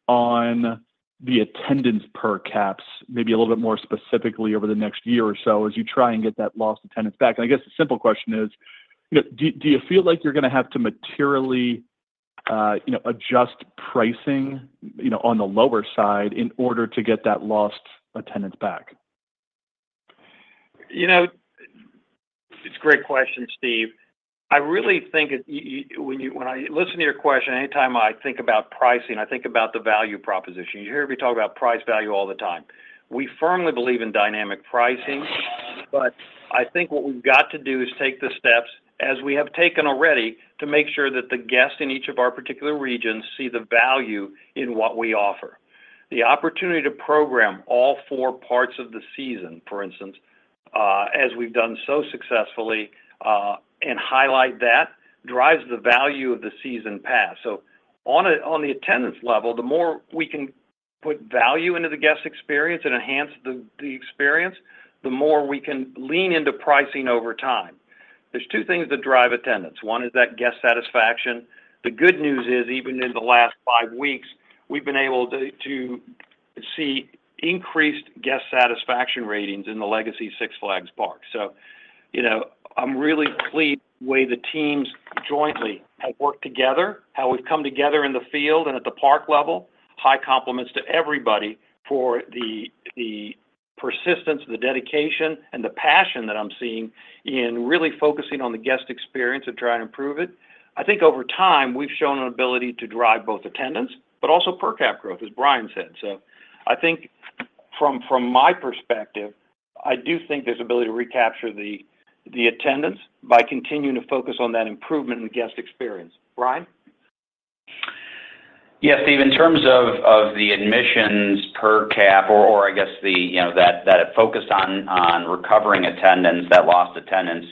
on the attendance per caps, maybe a little bit more specifically over the next year or so, as you try and get that lost attendance back? And I guess the simple question is: you know, do you feel like you're gonna have to materially, you know, adjust pricing, you know, on the lower side in order to get that lost attendance back? You know, it's a great question, Steve. I really think when I listen to your question, anytime I think about pricing, I think about the value proposition. You hear me talk about price value all the time. We firmly believe in dynamic pricing, but I think what we've got to do is take the steps, as we have taken already, to make sure that the guests in each of our particular regions see the value in what we offer. The opportunity to program all four parts of the season, for instance, as we've done so successfully, and highlight that, drives the value of the season pass. So on the attendance level, the more we can put value into the guest experience and enhance the experience, the more we can lean into pricing over time. There's two things that drive attendance. One is that guest satisfaction. The good news is, even in the last five weeks, we've been able to see increased guest satisfaction ratings in the legacy Six Flags parks. So, you know, I'm really pleased the way the teams jointly have worked together, how we've come together in the field and at the park level. High compliments to everybody for the persistence, the dedication, and the passion that I'm seeing in really focusing on the guest experience and trying to improve it. I think over time, we've shown an ability to drive both attendance, but also per cap growth, as Brian said. So I think from my perspective, I do think there's ability to recapture the attendance by continuing to focus on that improvement in guest experience. Brian? Yeah, Steve, in terms of, of the admissions per cap or, or I guess the, you know, that, that it focused on, on recovering attendance, that lost attendance,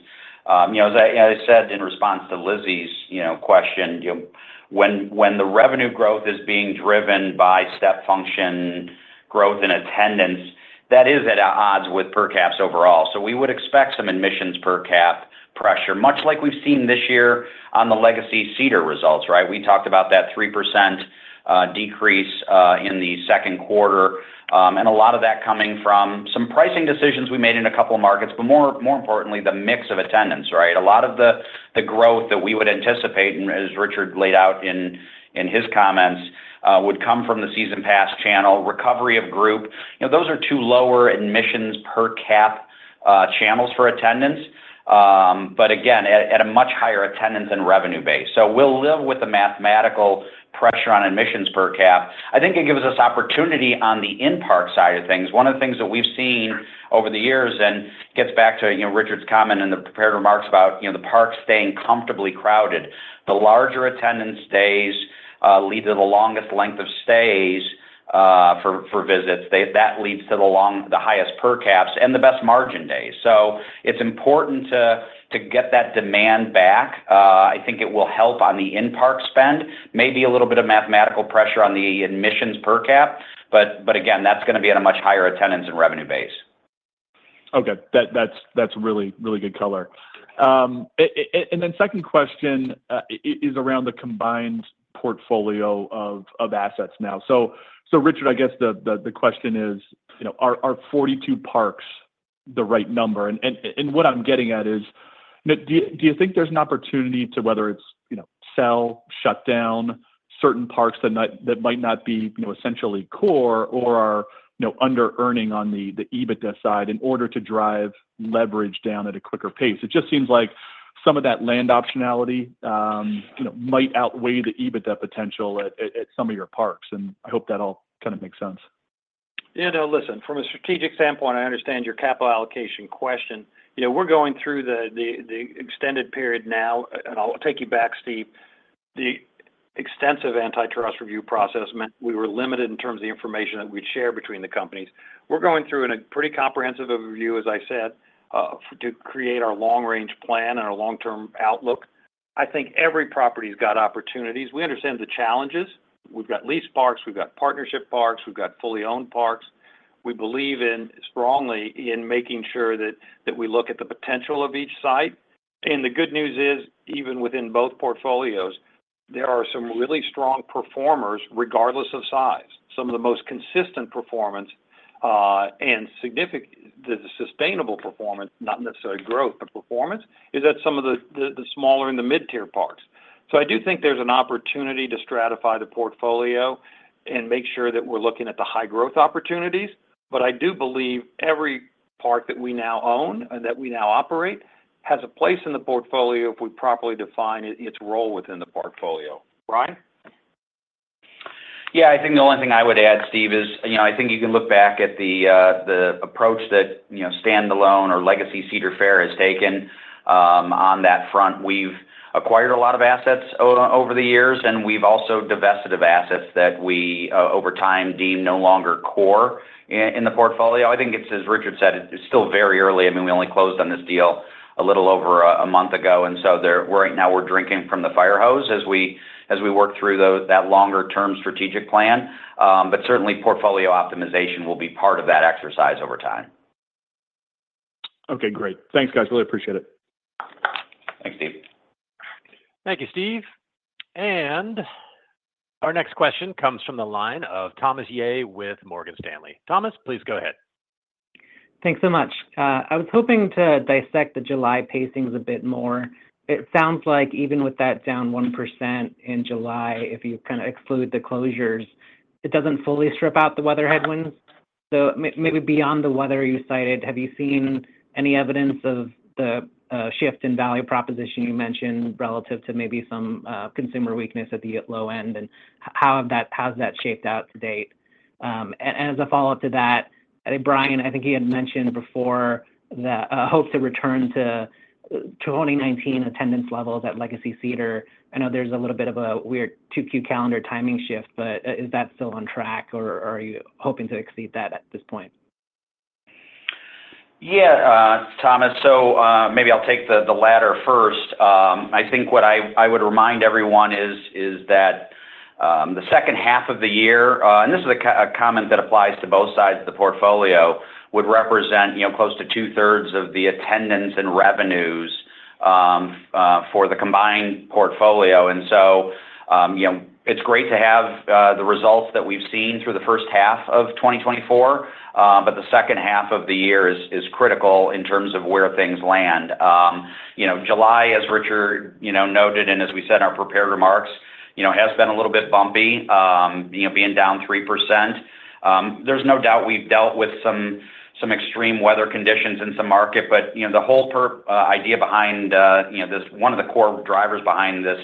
you know, as I, as I said in response to Lizzie's, you know, question, when, when the revenue growth is being driven by step function growth in attendance, that is at odds with per caps overall. So we would expect some admissions per cap pressure, much like we've seen this year on the legacy Cedar results, right? We talked about that 3% decrease in the second quarter, and a lot of that coming from some pricing decisions we made in a couple of markets, but more importantly, the mix of attendance, right? A lot of the growth that we would anticipate, and as Richard laid out in his comments, would come from the season pass channel, recovery of group. You know, those are two lower admissions per cap channels for attendance, but again, at a much higher attendance and revenue base. So we'll live with the mathematical pressure on admissions per cap. I think it gives us opportunity on the in-park side of things. One of the things that we've seen over the years, and gets back to, you know, Richard's comment in the prepared remarks about, you know, the park staying comfortably crowded, the larger attendance days lead to the longest length of stays for visits. That leads to the highest per caps and the best margin days. So it's important to get that demand back. I think it will help on the in-park spend, maybe a little bit of mathematical pressure on the admissions per cap, but again, that's gonna be at a much higher attendance and revenue base. Okay. That's really good color. And then second question is around the combined portfolio of assets now. So, Richard, I guess the question is, you know, are 42 parks the right number? And what I'm getting at is: do you think there's an opportunity to whether it's, you know, sell, shut down certain parks that might not be, you know, essentially core or are, you know, under-earning on the EBITDA side in order to drive leverage down at a quicker pace? It just seems like some of that land optionality, you know, might outweigh the EBITDA potential at some of your parks, and I hope that all kind of makes sense. Yeah, no, listen, from a strategic standpoint, I understand your capital allocation question. You know, we're going through the extended period now, and I'll take you back, Steve. The extensive antitrust review process meant we were limited in terms of the information that we'd share between the companies. We're going through in a pretty comprehensive overview, as I said, to create our long-range plan and our long-term outlook. I think every property's got opportunities. We understand the challenges. We've got leased parks, we've got partnership parks, we've got fully owned parks. We believe in, strongly in making sure that, that we look at the potential of each site. And the good news is, even within both portfolios, there are some really strong performers, regardless of size. Some of the most consistent performance, the sustainable performance, not necessarily growth, but performance, is at some of the smaller and the mid-tier parks. So I do think there's an opportunity to stratify the portfolio and make sure that we're looking at the high growth opportunities. But I do believe every park that we now own and that we now operate has a place in the portfolio if we properly define its role within the portfolio. Brian? Yeah, I think the only thing I would add, Steve, is, you know, I think you can look back at the approach that, you know, standalone or legacy Cedar Fair has taken on that front. We've acquired a lot of assets over the years, and we've also divested of assets that we over time deemed no longer core in the portfolio. I think it's, as Richard said, it's still very early. I mean, we only closed on this deal a little over a month ago, and so there right now we're drinking from the fire hose as we work through that longer-term strategic plan. But certainly, portfolio optimization will be part of that exercise over time.... Okay, great. Thanks, guys. Really appreciate it. Thanks, Steve. Thank you, Steve. Our next question comes from the line of Thomas Yeh with Morgan Stanley. Thomas, please go ahead. Thanks so much. I was hoping to dissect the July pacings a bit more. It sounds like even with that down 1% in July, if you kinda exclude the closures, it doesn't fully strip out the weather headwinds. So maybe beyond the weather you cited, have you seen any evidence of the shift in value proposition you mentioned, relative to maybe some consumer weakness at the low end? And how's that shaped out to date? And as a follow-up to that, I think Brian, I think he had mentioned before that hopes to return to 2019 attendance levels at legacy Cedar. I know there's a little bit of a weird 2Q calendar timing shift, but is that still on track, or are you hoping to exceed that at this point? Yeah, Thomas, so, maybe I'll take the latter first. I think what I would remind everyone is that the second half of the year and this is a comment that applies to both sides of the portfolio, would represent, you know, close to two-thirds of the attendance and revenues for the combined portfolio. And so, you know, it's great to have the results that we've seen through the first half of 2024, but the second half of the year is critical in terms of where things land. You know, July, as Richard, you know, noted and as we said in our prepared remarks, you know, has been a little bit bumpy, you know, being down 3%. There's no doubt we've dealt with some extreme weather conditions in some market, but you know, the whole idea behind you know this one of the core drivers behind this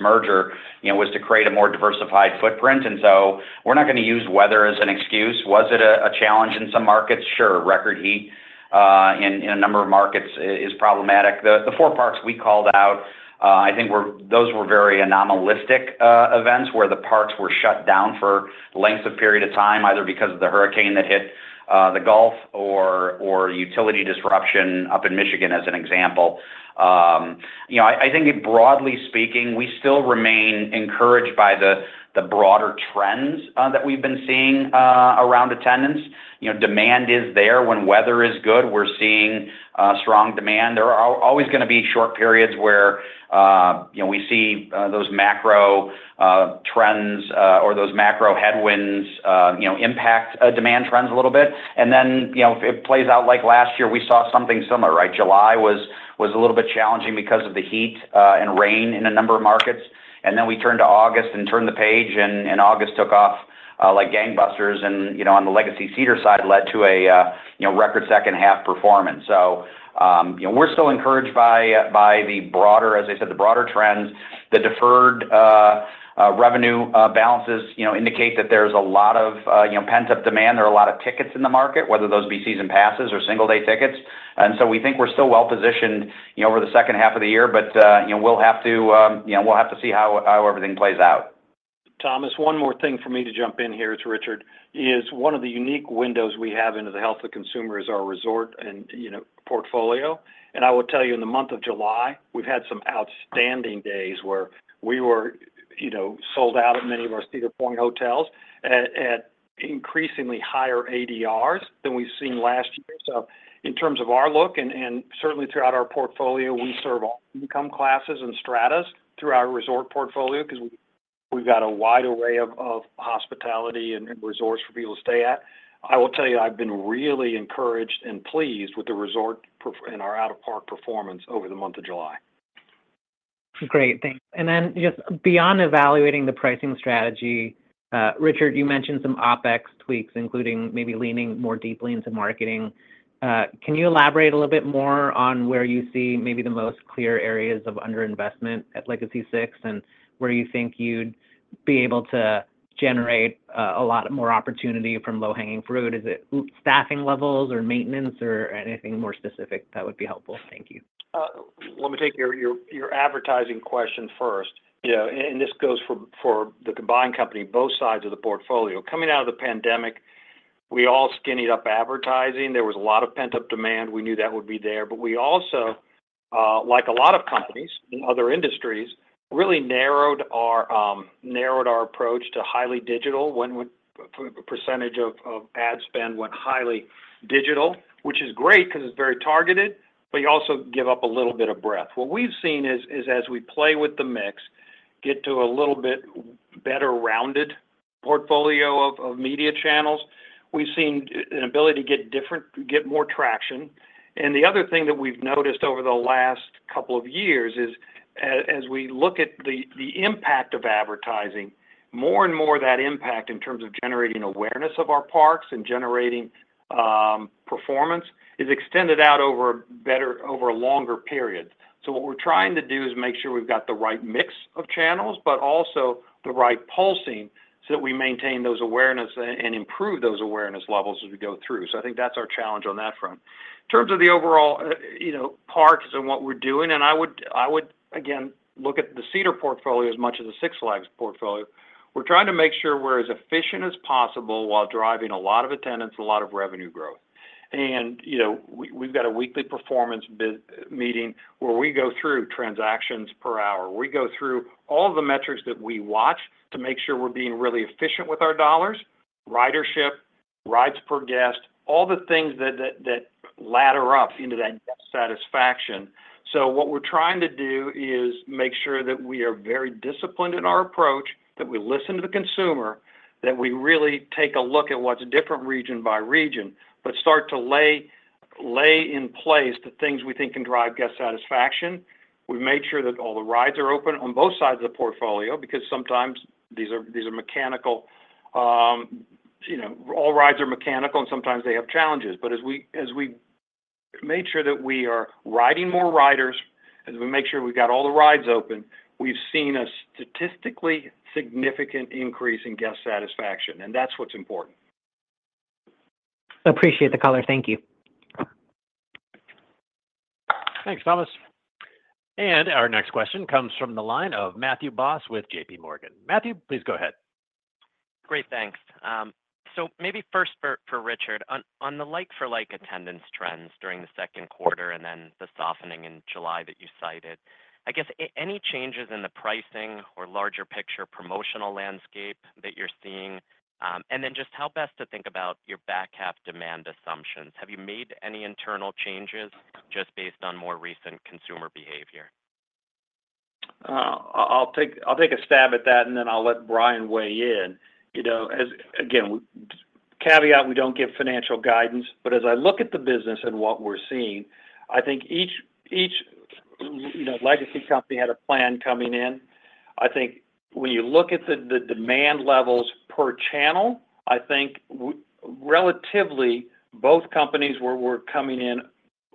merger you know was to create a more diversified footprint, and so we're not gonna use weather as an excuse. Was it a challenge in some markets? Sure. Record heat in a number of markets is problematic. The four parks we called out I think were those very anomalistic events, where the parks were shut down for lengths of period of time, either because of the hurricane that hit the Gulf or utility disruption up in Michigan, as an example. You know, I think broadly speaking, we still remain encouraged by the broader trends that we've been seeing around attendance. You know, demand is there. When weather is good, we're seeing strong demand. There are always gonna be short periods where we see those macro trends or those macro headwinds impact demand trends a little bit. And then, you know, if it plays out like last year, we saw something similar, right? July was a little bit challenging because of the heat and rain in a number of markets. And then we turned to August and turned the page, and August took off like gangbusters and, you know, on the legacy Cedar side, led to a record second half performance. So, you know, we're still encouraged by the broader, as I said, the broader trends. The deferred revenue balances, you know, indicate that there's a lot of, you know, pent-up demand. There are a lot of tickets in the market, whether those be season passes or single-day tickets. And so we think we're still well-positioned, you know, over the second half of the year, but, you know, we'll have to see how everything plays out. Thomas, one more thing for me to jump in here, as Richard, is one of the unique windows we have into the health of consumer is our resort and, you know, portfolio. And I will tell you, in the month of July, we've had some outstanding days where we were, you know, sold out at many of our Cedar Point hotels at, at increasingly higher ADRs than we've seen last year. So in terms of our look, and, and certainly throughout our portfolio, we serve all income classes and strata through our resort portfolio, 'cause we, we've got a wide array of, of hospitality and, and resorts for people to stay at. I will tell you, I've been really encouraged and pleased with the resort performance and our out-of-park performance over the month of July. Great, thanks. Then just beyond evaluating the pricing strategy, Richard, you mentioned some OpEx tweaks, including maybe leaning more deeply into marketing. Can you elaborate a little bit more on where you see maybe the most clear areas of underinvestment at legacy Six, and where you think you'd be able to generate a lot more opportunity from low-hanging fruit? Is it staffing levels or maintenance or anything more specific? That would be helpful. Thank you. Let me take your advertising question first. Yeah, and this goes for the combined company, both sides of the portfolio. Coming out of the pandemic, we all skinnied up advertising. There was a lot of pent-up demand. We knew that would be there. But we also, like a lot of companies in other industries, really narrowed our approach to highly digital, when the percentage of ad spend went highly digital, which is great 'cause it's very targeted, but you also give up a little bit of breadth. What we've seen is, as we play with the mix, get to a little bit better-rounded portfolio of media channels, we've seen an ability to get different-- get more traction. And the other thing that we've noticed over the last couple of years is, as we look at the impact of advertising, more and more of that impact in terms of generating awareness of our parks and generating performance, is extended out over a longer period. So what we're trying to do is make sure we've got the right mix of channels, but also the right pulsing, so that we maintain those awareness and improve those awareness levels as we go through. So I think that's our challenge on that front. In terms of the overall, you know, parks and what we're doing, and I would, I would, again, look at the Cedar portfolio as much as the Six Flags portfolio. We're trying to make sure we're as efficient as possible while driving a lot of attendance, a lot of revenue growth. You know, we've got a weekly performance base meeting where we go through transactions per hour. We go through all the metrics that we watch to make sure we're being really efficient with our dollars. Ridership, rides per guest, all the things that ladder up into that guest satisfaction. So what we're trying to do is make sure that we are very disciplined in our approach, that we listen to the consumer, that we really take a look at what's different region by region, but start to lay in place the things we think can drive guest satisfaction. We've made sure that all the rides are open on both sides of the portfolio, because sometimes these are mechanical, you know, all rides are mechanical, and sometimes they have challenges. But as we made sure that we are riding more riders, as we make sure we've got all the rides open, we've seen a statistically significant increase in guest satisfaction, and that's what's important. Appreciate the color. Thank you. Thanks, Thomas. And our next question comes from the line of Matthew Boss with J.P. Morgan. Matthew, please go ahead. Great, thanks. So maybe first for Richard, on the like-for-like attendance trends during the second quarter, and then the softening in July that you cited, I guess, any changes in the pricing or larger picture promotional landscape that you're seeing? And then just how best to think about your back half demand assumptions. Have you made any internal changes just based on more recent consumer behavior? I'll take a stab at that, and then I'll let Brian weigh in. You know, as again, caveat, we don't give financial guidance, but as I look at the business and what we're seeing, I think each you know, legacy company had a plan coming in. I think when you look at the demand levels per channel, I think relatively, both companies were coming in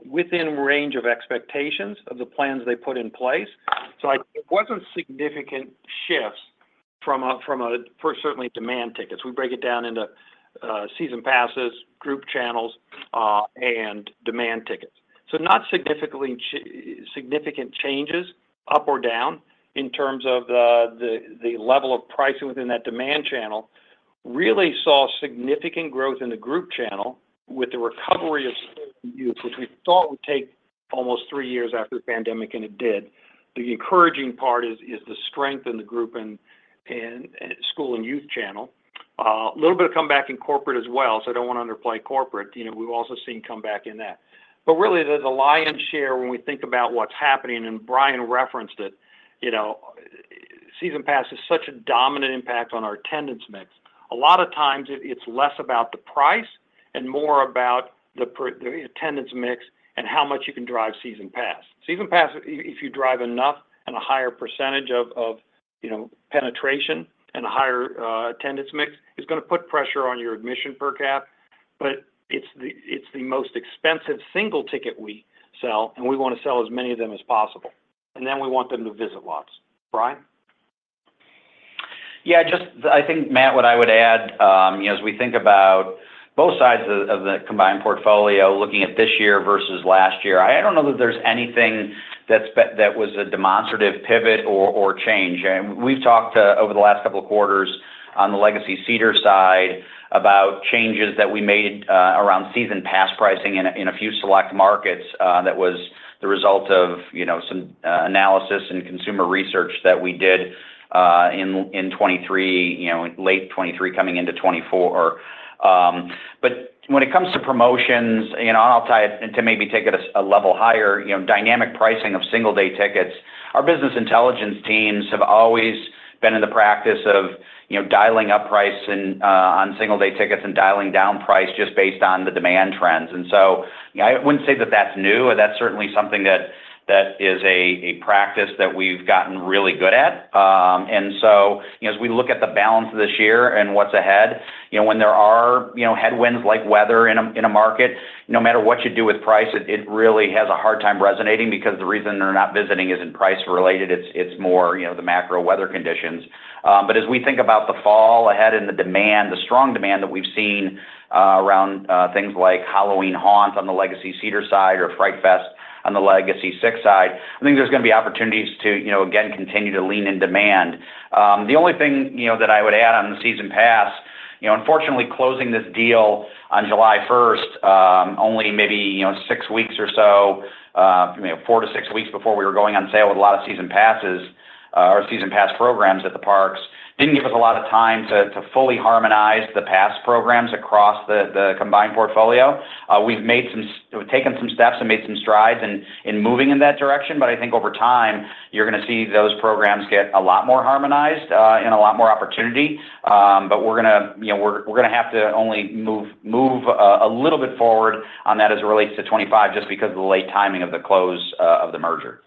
within range of expectations of the plans they put in place. So it wasn't significant shifts from a, for certainly, demand tickets. We break it down into season passes, group channels, and demand tickets. So not significant changes up or down in terms of the level of pricing within that demand channel. Really saw significant growth in the group channel with the recovery of youth, which we thought would take almost three years after the pandemic, and it did. The encouraging part is the strength in the group and school and youth channel. A little bit of comeback in corporate as well, so I don't wanna underplay corporate. You know, we've also seen comeback in that. But really, the lion's share when we think about what's happening, and Brian referenced it, you know, season pass is such a dominant impact on our attendance mix. A lot of times it's less about the price and more about the attendance mix and how much you can drive season pass. Season pass, if you drive enough and a higher percentage of, you know, penetration and a higher attendance mix, is gonna put pressure on your admission per cap, but it's the, it's the most expensive single ticket we sell, and we wanna sell as many of them as possible. And then we want them to visit lots. Brian? Yeah, just I think, Matt, what I would add, you know, as we think about both sides of, of the combined portfolio, looking at this year versus last year, I don't know that there's anything that was a demonstrative pivot or, or change. And we've talked over the last couple of quarters on the legacy Cedar side about changes that we made around season pass pricing in a, in a few select markets that was the result of, you know, some analysis and consumer research that we did in, in 2023, you know, late 2023, coming into 2024. But when it comes to promotions, you know, I'll tie it, and to maybe take it a, a level higher, you know, dynamic pricing of single day tickets. Our business intelligence teams have always been in the practice of, you know, dialing up price and on single day tickets and dialing down price just based on the demand trends. And so I wouldn't say that that's new. That's certainly something that is a practice that we've gotten really good at. And so, you know, as we look at the balance of this year and what's ahead, you know, when there are, you know, headwinds like weather in a market, no matter what you do with price, it really has a hard time resonating because the reason they're not visiting isn't price related, it's more, you know, the macro weather conditions. But as we think about the fall ahead and the demand, the strong demand that we've seen around things like Halloween Haunt on the legacy Cedar side or Fright Fest on the legacy Six side, I think there's gonna be opportunities to, you know, again, continue to lean in demand. The only thing, you know, that I would add on the season pass, you know, unfortunately, closing this deal on July 1st, only maybe, you know, 6 weeks or so, you know, 4-6 weeks before we were going on sale with a lot of season passes, or season pass programs at the parks, didn't give us a lot of time to fully harmonize the pass programs across the combined portfolio. We've taken some steps and made some strides in moving in that direction, but I think over time, you're gonna see those programs get a lot more harmonized, and a lot more opportunity. But we're gonna, you know, have to only move a little bit forward on that as it relates to 2025, just because of the late timing of the close of the merger.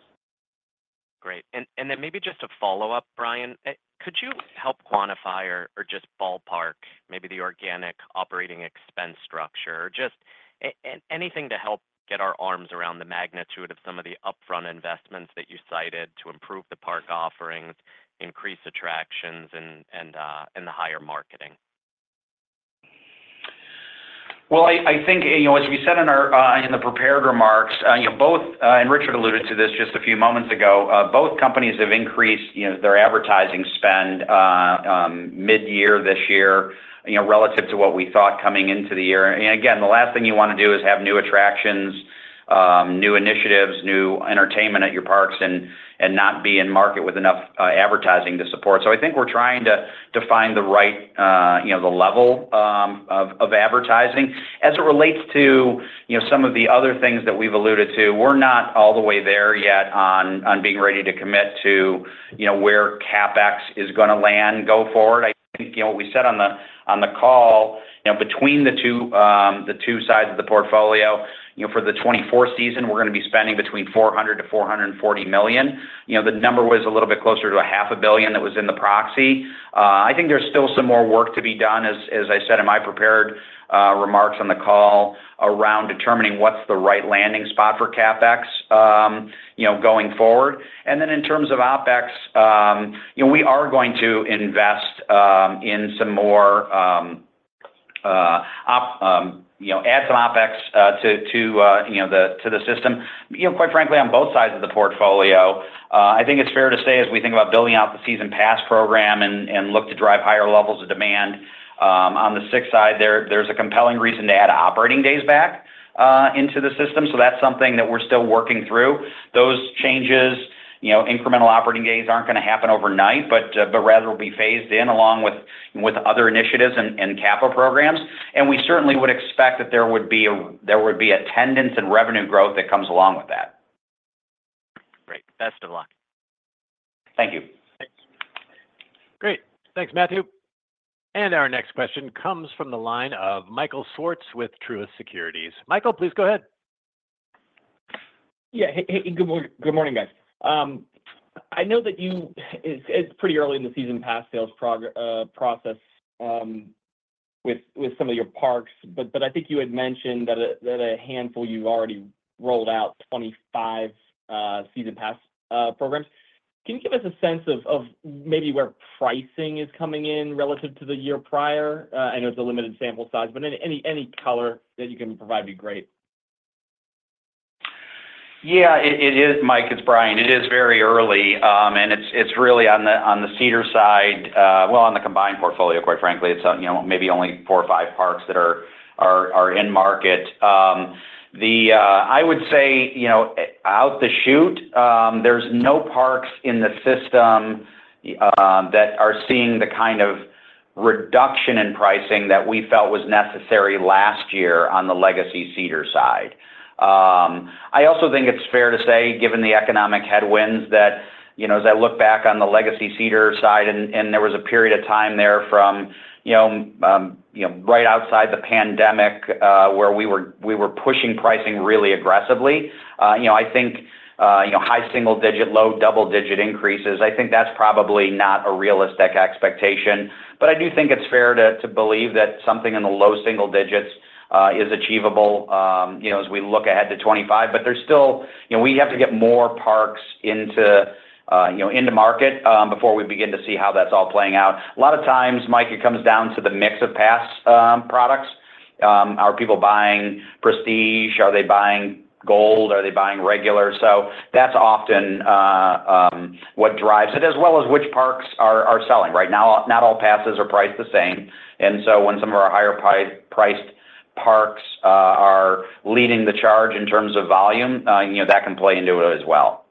Great. And then maybe just a follow-up, Brian. Could you help quantify or just ballpark maybe the organic operating expense structure? Just anything to help get our arms around the magnitude of some of the upfront investments that you cited to improve the park offerings, increase attractions, and the higher marketing. Well, I think, you know, as we said in our prepared remarks, you know, both, and Richard alluded to this just a few moments ago, both companies have increased, you know, their advertising spend midyear this year, you know, relative to what we thought coming into the year. And again, the last thing you wanna do is have new initiatives, new entertainment at your parks, and not be in market with enough advertising to support. So I think we're trying to find the right, you know, the level of advertising. As it relates to, you know, some of the other things that we've alluded to, we're not all the way there yet on being ready to commit to, you know, where CapEx is gonna land going forward. I think, you know, what we said on the, on the call, you know, between the two, the two sides of the portfolio, you know, for the 2024 season, we're gonna be spending between $400 million-$440 million. You know, the number was a little bit closer to $500 million that was in the proxy. I think there's still some more work to be done, as, as I said, in my prepared, remarks on the call, around determining what's the right landing spot for CapEx, you know, going forward. And then, in terms of OpEx, you know, we are going to invest, in some more, you know, add some OpEx, to, to, you know, the, to the system. You know, quite frankly, on both sides of the portfolio, I think it's fair to say, as we think about building out the season pass program and look to drive higher levels of demand, on the Six side, there's a compelling reason to add operating days back into the system, so that's something that we're still working through. Those changes, you know, incremental operating days aren't gonna happen overnight, but rather will be phased in along with other initiatives and capital programs. We certainly would expect that there would be attendance and revenue growth that comes along with that. Great. Best of luck. Thank you. Thanks. Great! Thanks, Matthew. And our next question comes from the line of Michael Swartz with Truist Securities. Michael, please go ahead. Yeah. Hey, hey, good morning, guys. I know that you... It's pretty early in the season pass sales progress, process, with some of your parks, but I think you had mentioned that a handful, you've already rolled out 25 season pass programs. Can you give us a sense of maybe where pricing is coming in relative to the year prior? I know it's a limited sample size, but any color that you can provide would be great. Yeah, it is, Mike. It's Brian. It is very early, and it's really on the Cedar side, well, on the combined portfolio, quite frankly. It's you know, maybe only four or five parks that are in market. I would say, you know, out the chute, there's no parks in the system that are seeing the kind of reduction in pricing that we felt was necessary last year on the legacy Cedar side. I also think it's fair to say, given the economic headwinds, that, you know, as I look back on the legacy Cedar side, and there was a period of time there from, you know, right outside the pandemic, where we were pushing pricing really aggressively, you know, I think, you know, high single digit, low double digit increases, I think that's probably not a realistic expectation. But I do think it's fair to believe that something in the low single digits is achievable, you know, as we look ahead to 2025. But there's still... You know, we have to get more parks into, you know, into market, before we begin to see how that's all playing out. A lot of times, Mike, it comes down to the mix of pass products. Are people buying Prestige? Are they buying Gold? Are they buying Regular? So that's often what drives it, as well as which parks are selling. Right now, not all passes are priced the same, and so when some of our higher-priced parks are leading the charge in terms of volume, you know, that can play into it as well.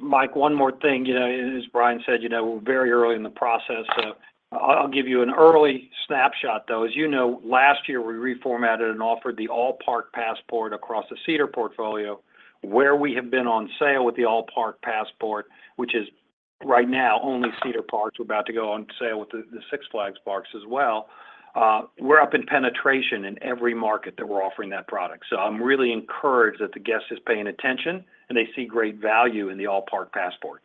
Mike, one more thing. You know, as Brian said, you know, we're very early in the process, so I'll give you an early snapshot, though. As you know, last year, we reformatted and offered the All Park Passport across the Cedar portfolio. Where we have been on sale with the All Park Passport, which is, right now, only Cedar Parks, we're about to go on sale with the Six Flags parks as well, we're up in penetration in every market that we're offering that product. So I'm really encouraged that the guest is paying attention, and they see great value in the All Park Passport.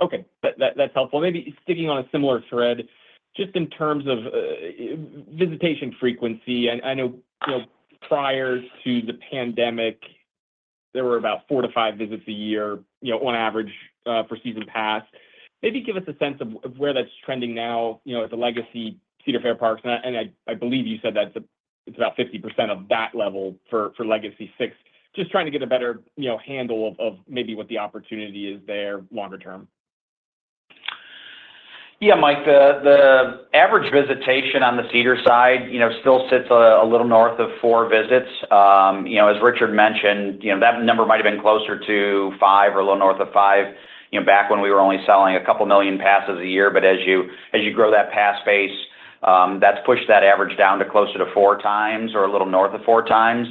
Okay. That's helpful. Maybe sticking on a similar thread, just in terms of visitation frequency, and I know, you know, prior to the pandemic, there were about 4-5 visits a year, you know, on average for season pass. Maybe give us a sense of where that's trending now, you know, at the legacy Cedar Fair parks. And I believe you said that it's about 50% of that level for legacy Six. Just trying to get a better, you know, handle of maybe what the opportunity is there longer term. Yeah, Mike, the average visitation on the Cedar side, you know, still sits a little north of 4 visits. You know, as Richard mentioned, you know, that number might have been closer to 5 or a little north of 5, you know, back when we were only selling 2 million passes a year. But as you grow that pass base, that's pushed that average down to closer to 4 times or a little north of four times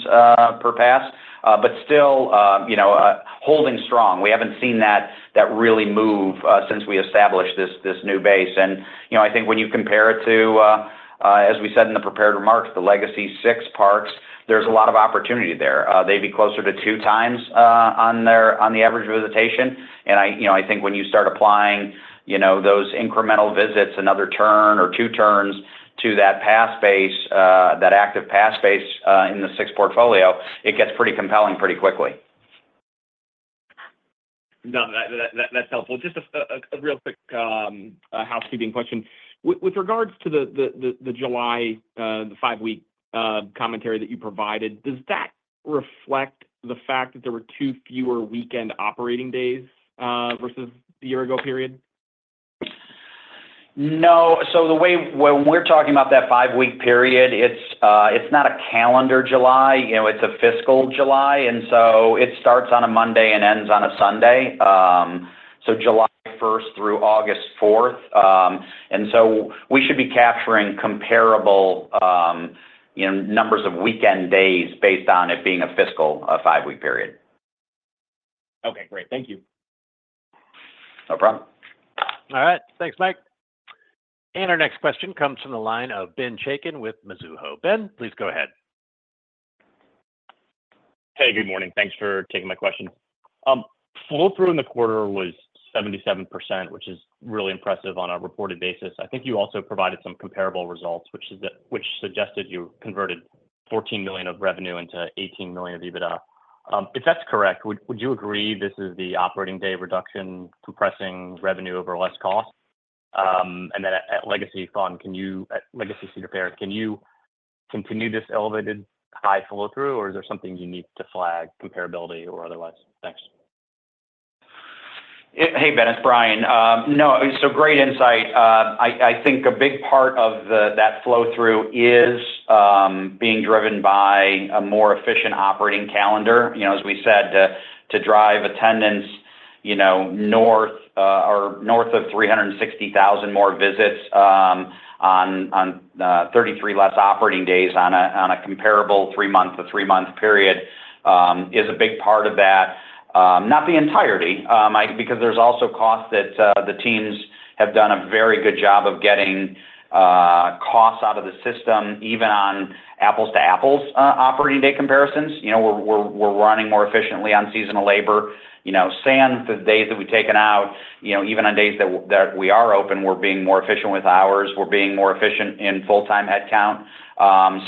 per pass. But still, you know, holding strong. We haven't seen that really move since we established this new base. And, you know, I think when you compare it to, as we said in the prepared remarks, the legacy Six Flags parks, there's a lot of opportunity there. They'd be closer to 2 times on the average visitation. And I, you know, I think when you start applying, you know, those incremental visits, another turn or two turns to that pass base, that active pass base, in the Six portfolio, it gets pretty compelling pretty quickly. No, that's helpful. Just a real quick housekeeping question. With regards to the July, the five-week commentary that you provided, does that reflect the fact that there were two fewer weekend operating days versus the year ago period?... No, so the way when we're talking about that five-week period, it's, it's not a calendar July, you know, it's a fiscal July, and so it starts on a Monday and ends on a Sunday. So July 1st through August 4th. And so we should be capturing comparable, you know, numbers of weekend days based on it being a fiscal, five-week period. Okay, great. Thank you. No problem. All right. Thanks, Mike. Our next question comes from the line of Ben Chaiken with Mizuho. Ben, please go ahead. Hey, good morning. Thanks for taking my question. Flow-through in the quarter was 77%, which is really impressive on a reported basis. I think you also provided some comparable results, which is that—which suggested you converted $14 million of revenue into $18 million of EBITDA. If that's correct, would you agree this is the operating day reduction, compressing revenue over less cost? And then at legacy Six Flags, can you at legacy Cedar Fair continue this elevated high flow-through, or is there something you need to flag comparability or otherwise? Thanks. Hey, Ben, it's Brian. No, so great insight. I think a big part of that flow-through is being driven by a more efficient operating calendar. You know, as we said, to drive attendance, you know, north or north of 360,000 more visits, on 33 less operating days on a comparable three-month to three-month period, is a big part of that. Not the entirety, I—because there's also costs that the teams have done a very good job of getting costs out of the system, even on apples to apples operating day comparisons. You know, we're running more efficiently on seasonal labor. You know, sans the days that we've taken out, you know, even on days that we are open, we're being more efficient with hours, we're being more efficient in full-time headcount.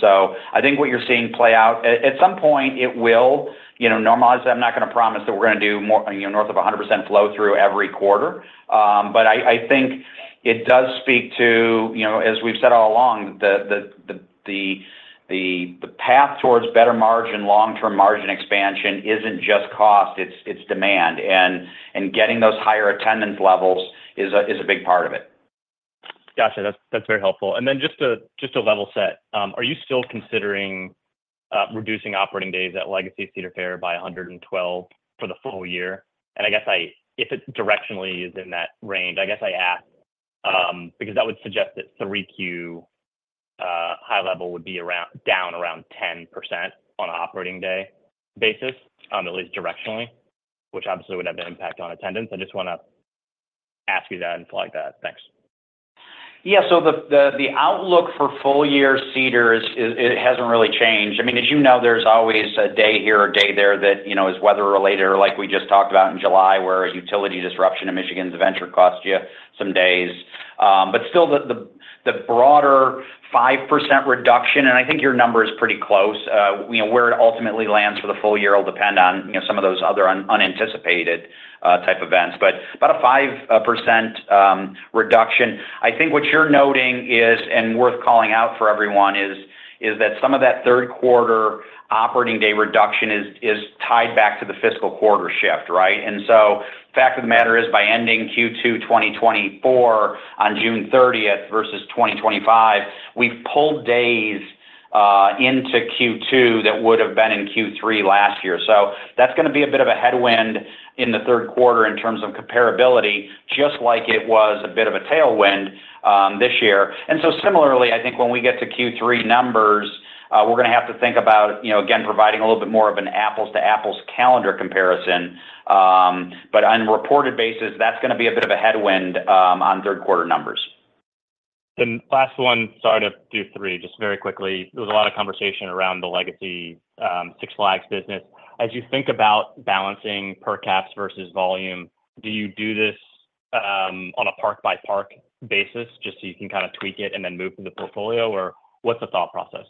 So I think what you're seeing play out. At some point it will, you know, normalize. I'm not gonna promise that we're gonna do more, you know, north of 100% flow through every quarter. But I think it does speak to, you know, as we've said all along, the path towards better margin, long-term margin expansion isn't just cost, it's demand. And getting those higher attendance levels is a big part of it. Gotcha. That's, that's very helpful. And then just to, just to level set, are you still considering reducing operating days at legacy Cedar Fair by 112 for the full year? And I guess if it directionally is in that range, I guess I ask, because that would suggest that 3Q, high level would be around, down around 10% on an operating day basis, at least directionally, which obviously would have an impact on attendance. I just wanna ask you that and flag that. Thanks. Yeah. So the outlook for full year Cedar is – it hasn't really changed. I mean, as you know, there's always a day here or day there that, you know, is weather related, or like we just talked about in July, where a utility disruption in Michigan's Adventure cost you some days. But still the broader 5% reduction, and I think your number is pretty close, you know, where it ultimately lands for the full year will depend on, you know, some of those other unanticipated type events, but about a 5% reduction. I think what you're noting is, and worth calling out for everyone, is that some of that third quarter operating day reduction is tied back to the fiscal quarter shift, right? And so the fact of the matter is, by ending Q2 2024 on June 30th versus 2025, we've pulled days into Q2 that would have been in Q3 last year. So that's gonna be a bit of a headwind in the third quarter in terms of comparability, just like it was a bit of a tailwind this year. And so similarly, I think when we get to Q3 numbers, we're gonna have to think about, you know, again, providing a little bit more of an apples-to-apples calendar comparison. But on reported basis, that's gonna be a bit of a headwind on third quarter numbers. Last one. Sorry to do three, just very quickly. There was a lot of conversation around the legacy Six Flags business. As you think about balancing per caps versus volume, do you do this on a park-by-park basis, just so you can kind of tweak it and then move through the portfolio? Or what's the thought process?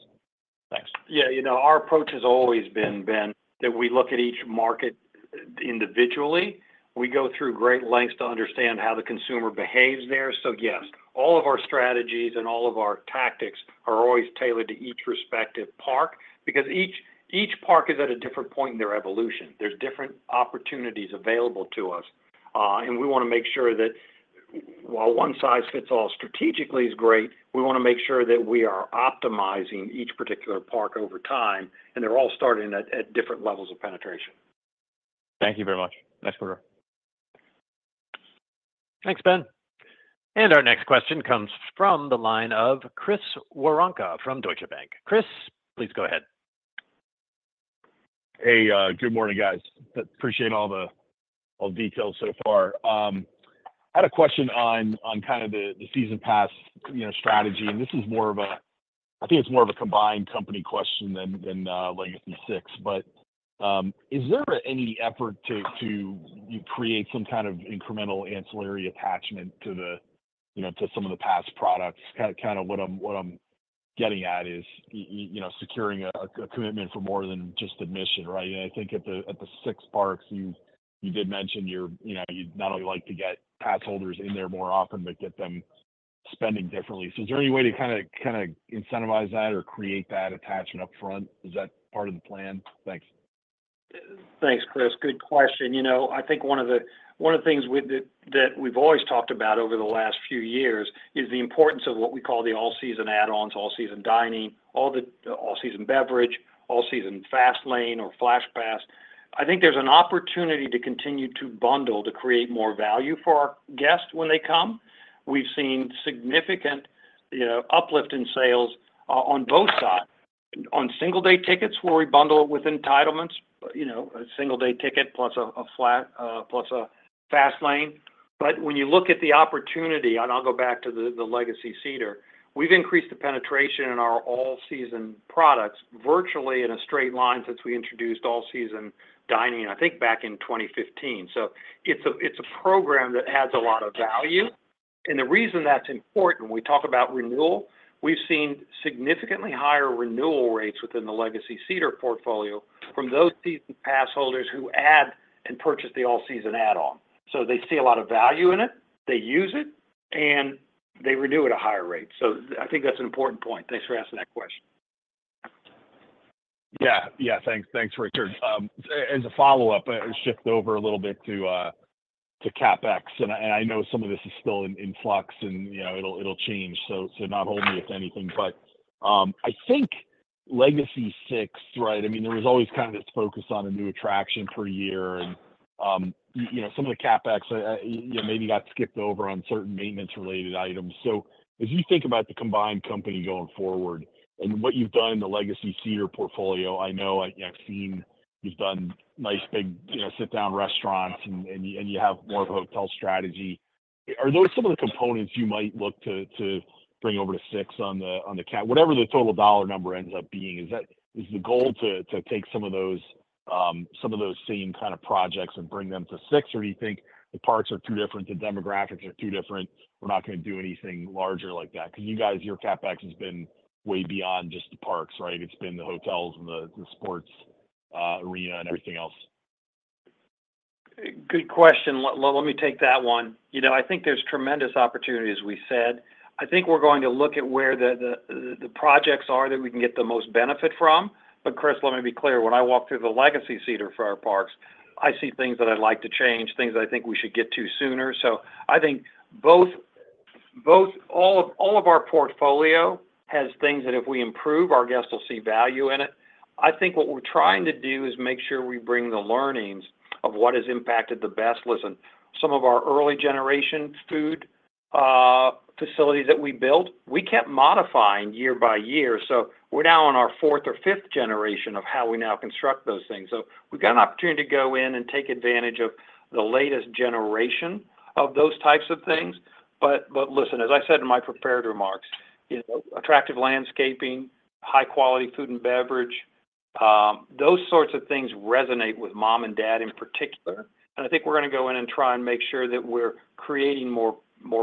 Thanks. Yeah, you know, our approach has always been, Ben, that we look at each market individually. We go through great lengths to understand how the consumer behaves there. So yes, all of our strategies and all of our tactics are always tailored to each respective park, because each, each park is at a different point in their evolution. There's different opportunities available to us, and we wanna make sure that while one size fits all strategically is great, we wanna make sure that we are optimizing each particular park over time, and they're all starting at, at different levels of penetration. Thank you very much. Thanks for your. Thanks, Ben. And our next question comes from the line of Chris Woronka from Deutsche Bank. Chris, please go ahead. Hey, good morning, guys. Appreciate all the details so far. I had a question on kind of the season pass, you know, strategy, and this is more of a. I think it's more of a combined company question than legacy Six. But, is there any effort to create some kind of incremental ancillary attachment to the, you know, to some of the pass products? Kind of what I'm getting at is, you know, securing a commitment for more than just admission, right? And I think at the Six parks, you did mention you're, you know, you'd not only like to get pass holders in there more often, but get them spending differently. So is there any way to kind of incentivize that or create that attachment upfront? Is that part of the plan? Thanks. ... Thanks, Chris. Good question. You know, I think one of the things that we've always talked about over the last few years is the importance of what we call the all-season add-ons, All Season Dining, all the All Season Beverage, All Season Fast Lane or Flash Pass. I think there's an opportunity to continue to bundle, to create more value for our guests when they come. We've seen significant, you know, uplift in sales on both sides. On single-day tickets, where we bundle it with entitlements, you know, a single-day ticket plus a fast lane. But when you look at the opportunity, and I'll go back to the legacy Cedar, we've increased the penetration in our all-season products virtually in a straight line since we introduced All Season Dining, I think, back in 2015. So it's a program that adds a lot of value, and the reason that's important, we talk about renewal. We've seen significantly higher renewal rates within the legacy Cedar portfolio from those season pass holders who add and purchase the all-season add-on. So they see a lot of value in it, they use it, and they renew at a higher rate. So I think that's an important point. Thanks for asking that question. Yeah, yeah. Thanks. Thanks, Richard. As a follow-up, shift over a little bit to CapEx, and I know some of this is still in flux and, you know, it'll change, so not hold me with anything. But, I think legacy Six, right? I mean, there was always kind of this focus on a new attraction per year and, you know, some of the CapEx, you know, maybe got skipped over on certain maintenance-related items. So as you think about the combined company going forward and what you've done in the legacy Cedar portfolio, I know, I've seen you've done nice, big, you know, sit-down restaurants and you have more of a hotel strategy. Are those some of the components you might look to, to bring over to Six on the CapEx—whatever the total dollar number ends up being, is that—is the goal to, to take some of those, some of those same kind of projects and bring them to Six? Or do you think the parks are too different, the demographics are too different, we're not gonna do anything larger like that? Because you guys, your CapEx has been way beyond just the parks, right? It's been the hotels and the, the sports, arena, and everything else. Good question. Let me take that one. You know, I think there's tremendous opportunity, as we said. I think we're going to look at where the projects are that we can get the most benefit from. But Chris, let me be clear: When I walk through the legacy Cedar for our parks, I see things that I'd like to change, things I think we should get to sooner. So I think both—all of our portfolio has things that if we improve, our guests will see value in it. I think what we're trying to do is make sure we bring the learnings of what has impacted the best. Listen, some of our early generation food facilities that we built, we kept modifying year by year, so we're now on our fourth or fifth generation of how we now construct those things. So we've got an opportunity to go in and take advantage of the latest generation of those types of things. But listen, as I said in my prepared remarks, you know, attractive landscaping, high-quality food and beverage, those sorts of things resonate with mom and dad in particular. And I think we're gonna go in and try and make sure that we're creating more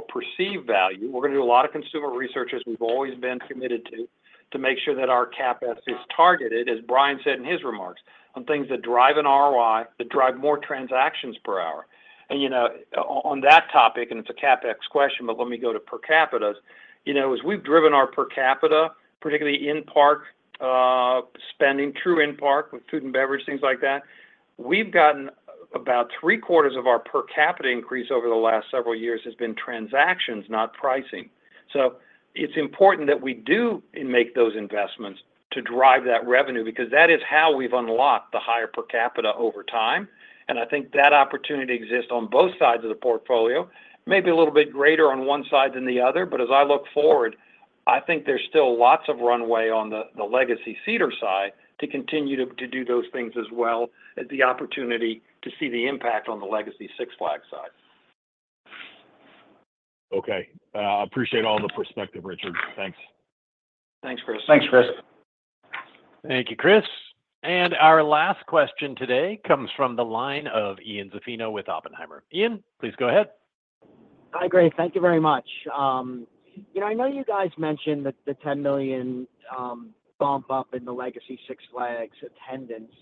perceived value. We're gonna do a lot of consumer research, as we've always been committed to, to make sure that our CapEx is targeted, as Brian said in his remarks, on things that drive an ROI, that drive more transactions per hour. And, you know, on that topic, and it's a CapEx question, but let me go to per caps. You know, as we've driven our per capita, particularly in-park, spending, true in-park with food and beverage, things like that, we've gotten about three-quarters of our per capita increase over the last several years has been transactions, not pricing. So it's important that we do and make those investments to drive that revenue, because that is how we've unlocked the higher per capita over time. And I think that opportunity exists on both sides of the portfolio, maybe a little bit greater on one side than the other. But as I look forward, I think there's still lots of runway on the legacy Cedar side to continue to do those things as well, as the opportunity to see the impact on the legacy Six Flags side. Okay. I appreciate all the perspective, Richard. Thanks. Thanks, Chris. Thanks, Chris. Thank you, Chris. Our last question today comes from the line of Ian Zaffino with Oppenheimer. Ian, please go ahead. Hi, great. Thank you very much. You know, I know you guys mentioned that the 10 million bump up in the legacy Six Flags attendance,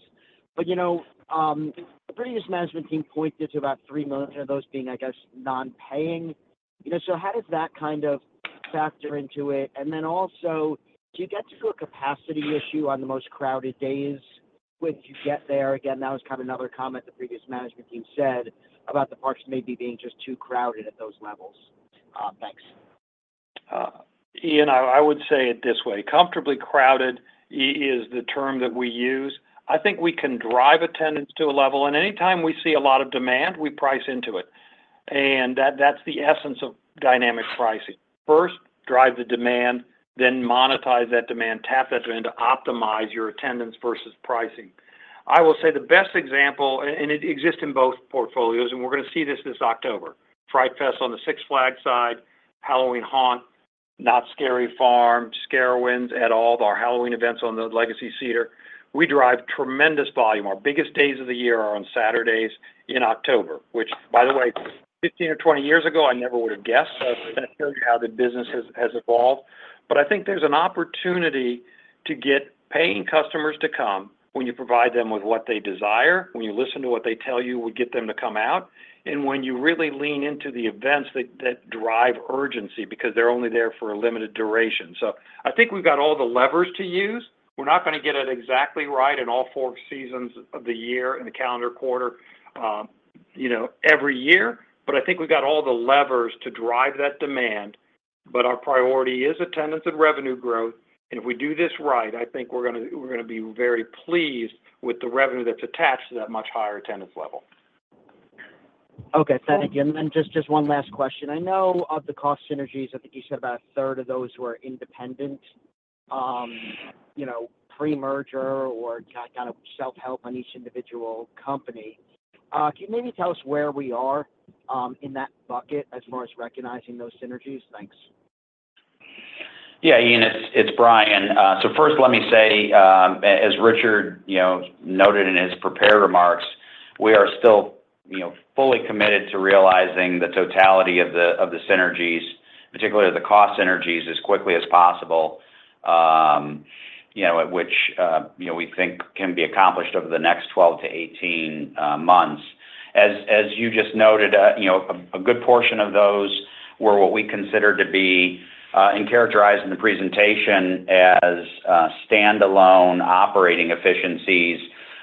but, you know, the previous management team pointed to about 3 million of those being, I guess, non-paying. You know, so how does that kind of factor into it? And then also, do you get to a capacity issue on the most crowded days, once you get there? Again, that was kind of another comment the previous management team said about the parks maybe being just too crowded at those levels. Thanks. Ian, I would say it this way: comfortably crowded is the term that we use. I think we can drive attendance to a level, and anytime we see a lot of demand, we price into it, and that's the essence of dynamic pricing. First, drive the demand, then monetize that demand, tap that demand to optimize your attendance versus pricing. I will say the best example, and it exists in both portfolios, and we're gonna see this October. Fright Fest on the Six Flags side, Halloween Haunt, Knott's Scary Farm, SCarowinds at all of our Halloween events on the legacy Cedar Fair, we drive tremendous volume. Our biggest days of the year are on Saturdays in October, which, by the way, 15 or 20 years ago, I never would have guessed. So that shows you how the business has evolved. But I think there's an opportunity to get paying customers to come when you provide them with what they desire, when you listen to what they tell you will get them to come out, and when you really lean into the events that drive urgency, because they're only there for a limited duration. So I think we've got all the levers to use. We're not gonna get it exactly right in all four seasons of the year, in the calendar quarter. You know, every year, but I think we've got all the levers to drive that demand. But our priority is attendance and revenue growth, and if we do this right, I think we're gonna be very pleased with the revenue that's attached to that much higher attendance level. Okay, thank you. And then just, just one last question. I know of the cost synergies, I think you said about a third of those were independent, you know, pre-merger or kind, kind of self-help on each individual company. Can you maybe tell us where we are in that bucket as far as recognizing those synergies? Thanks. Yeah, Ian, it's, it's Brian. So first let me say, as Richard, you know, noted in his prepared remarks, we are still, you know, fully committed to realizing the totality of the, of the synergies, particularly the cost synergies, as quickly as possible. You know, which, you know, we think can be accomplished over the next 12-18 months. As, as you just noted, you know, a, a good portion of those were what we consider to be, and characterized in the presentation as, standalone operating efficiencies.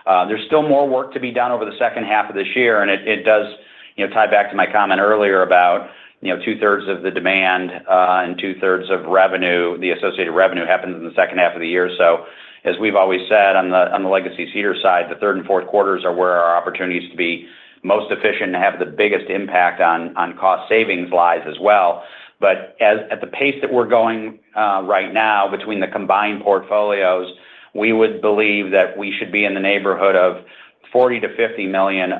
There's still more work to be done over the second half of this year, and it, it does, you know, tie back to my comment earlier about, you know, two-thirds of the demand, and two-thirds of revenue, the associated revenue, happens in the second half of the year. So as we've always said on the legacy Cedar side, the third and fourth quarters are where our opportunities to be most efficient and have the biggest impact on cost savings lies as well. But at the pace that we're going right now between the combined portfolios, we would believe that we should be in the neighborhood of $40 million-$50 million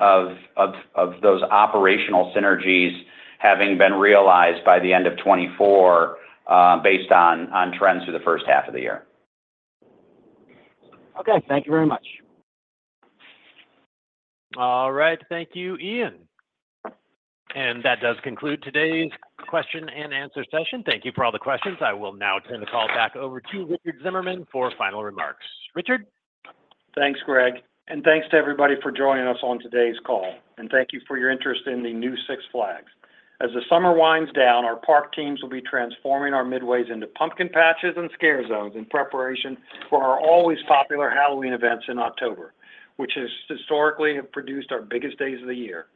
of those operational synergies having been realized by the end of 2024, based on trends through the first half of the year. Okay, thank you very much. All right. Thank you, Ian. That does conclude today's question-and-answer session. Thank you for all the questions. I will now turn the call back over to Richard Zimmerman for final remarks. Richard? Thanks, Greg, and thanks to everybody for joining us on today's call. And thank you for your interest in the new Six Flags. As the summer winds down, our park teams will be transforming our midways into pumpkin patches and scare zones in preparation for our always popular Halloween events in October, which have historically produced our biggest days of the year.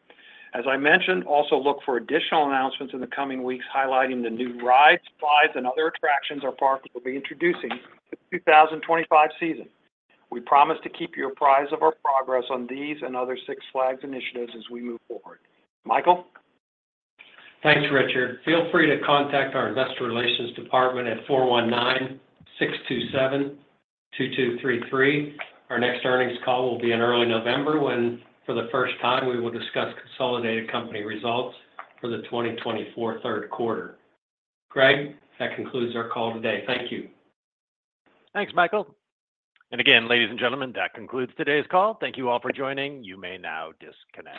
As I mentioned, also look for additional announcements in the coming weeks, highlighting the new rides, slides, and other attractions our parks will be introducing the 2025 season. We promise to keep you apprised of our progress on these and other Six Flags initiatives as we move forward. Michael? Thanks, Richard. Feel free to contact our investor relations department at 419-627-2233. Our next earnings call will be in early November, when, for the first time, we will discuss consolidated company results for the 2024 third quarter. Greg, that concludes our call today. Thank you. Thanks, Michael. And again, ladies and gentlemen, that concludes today's call. Thank you all for joining. You may now disconnect.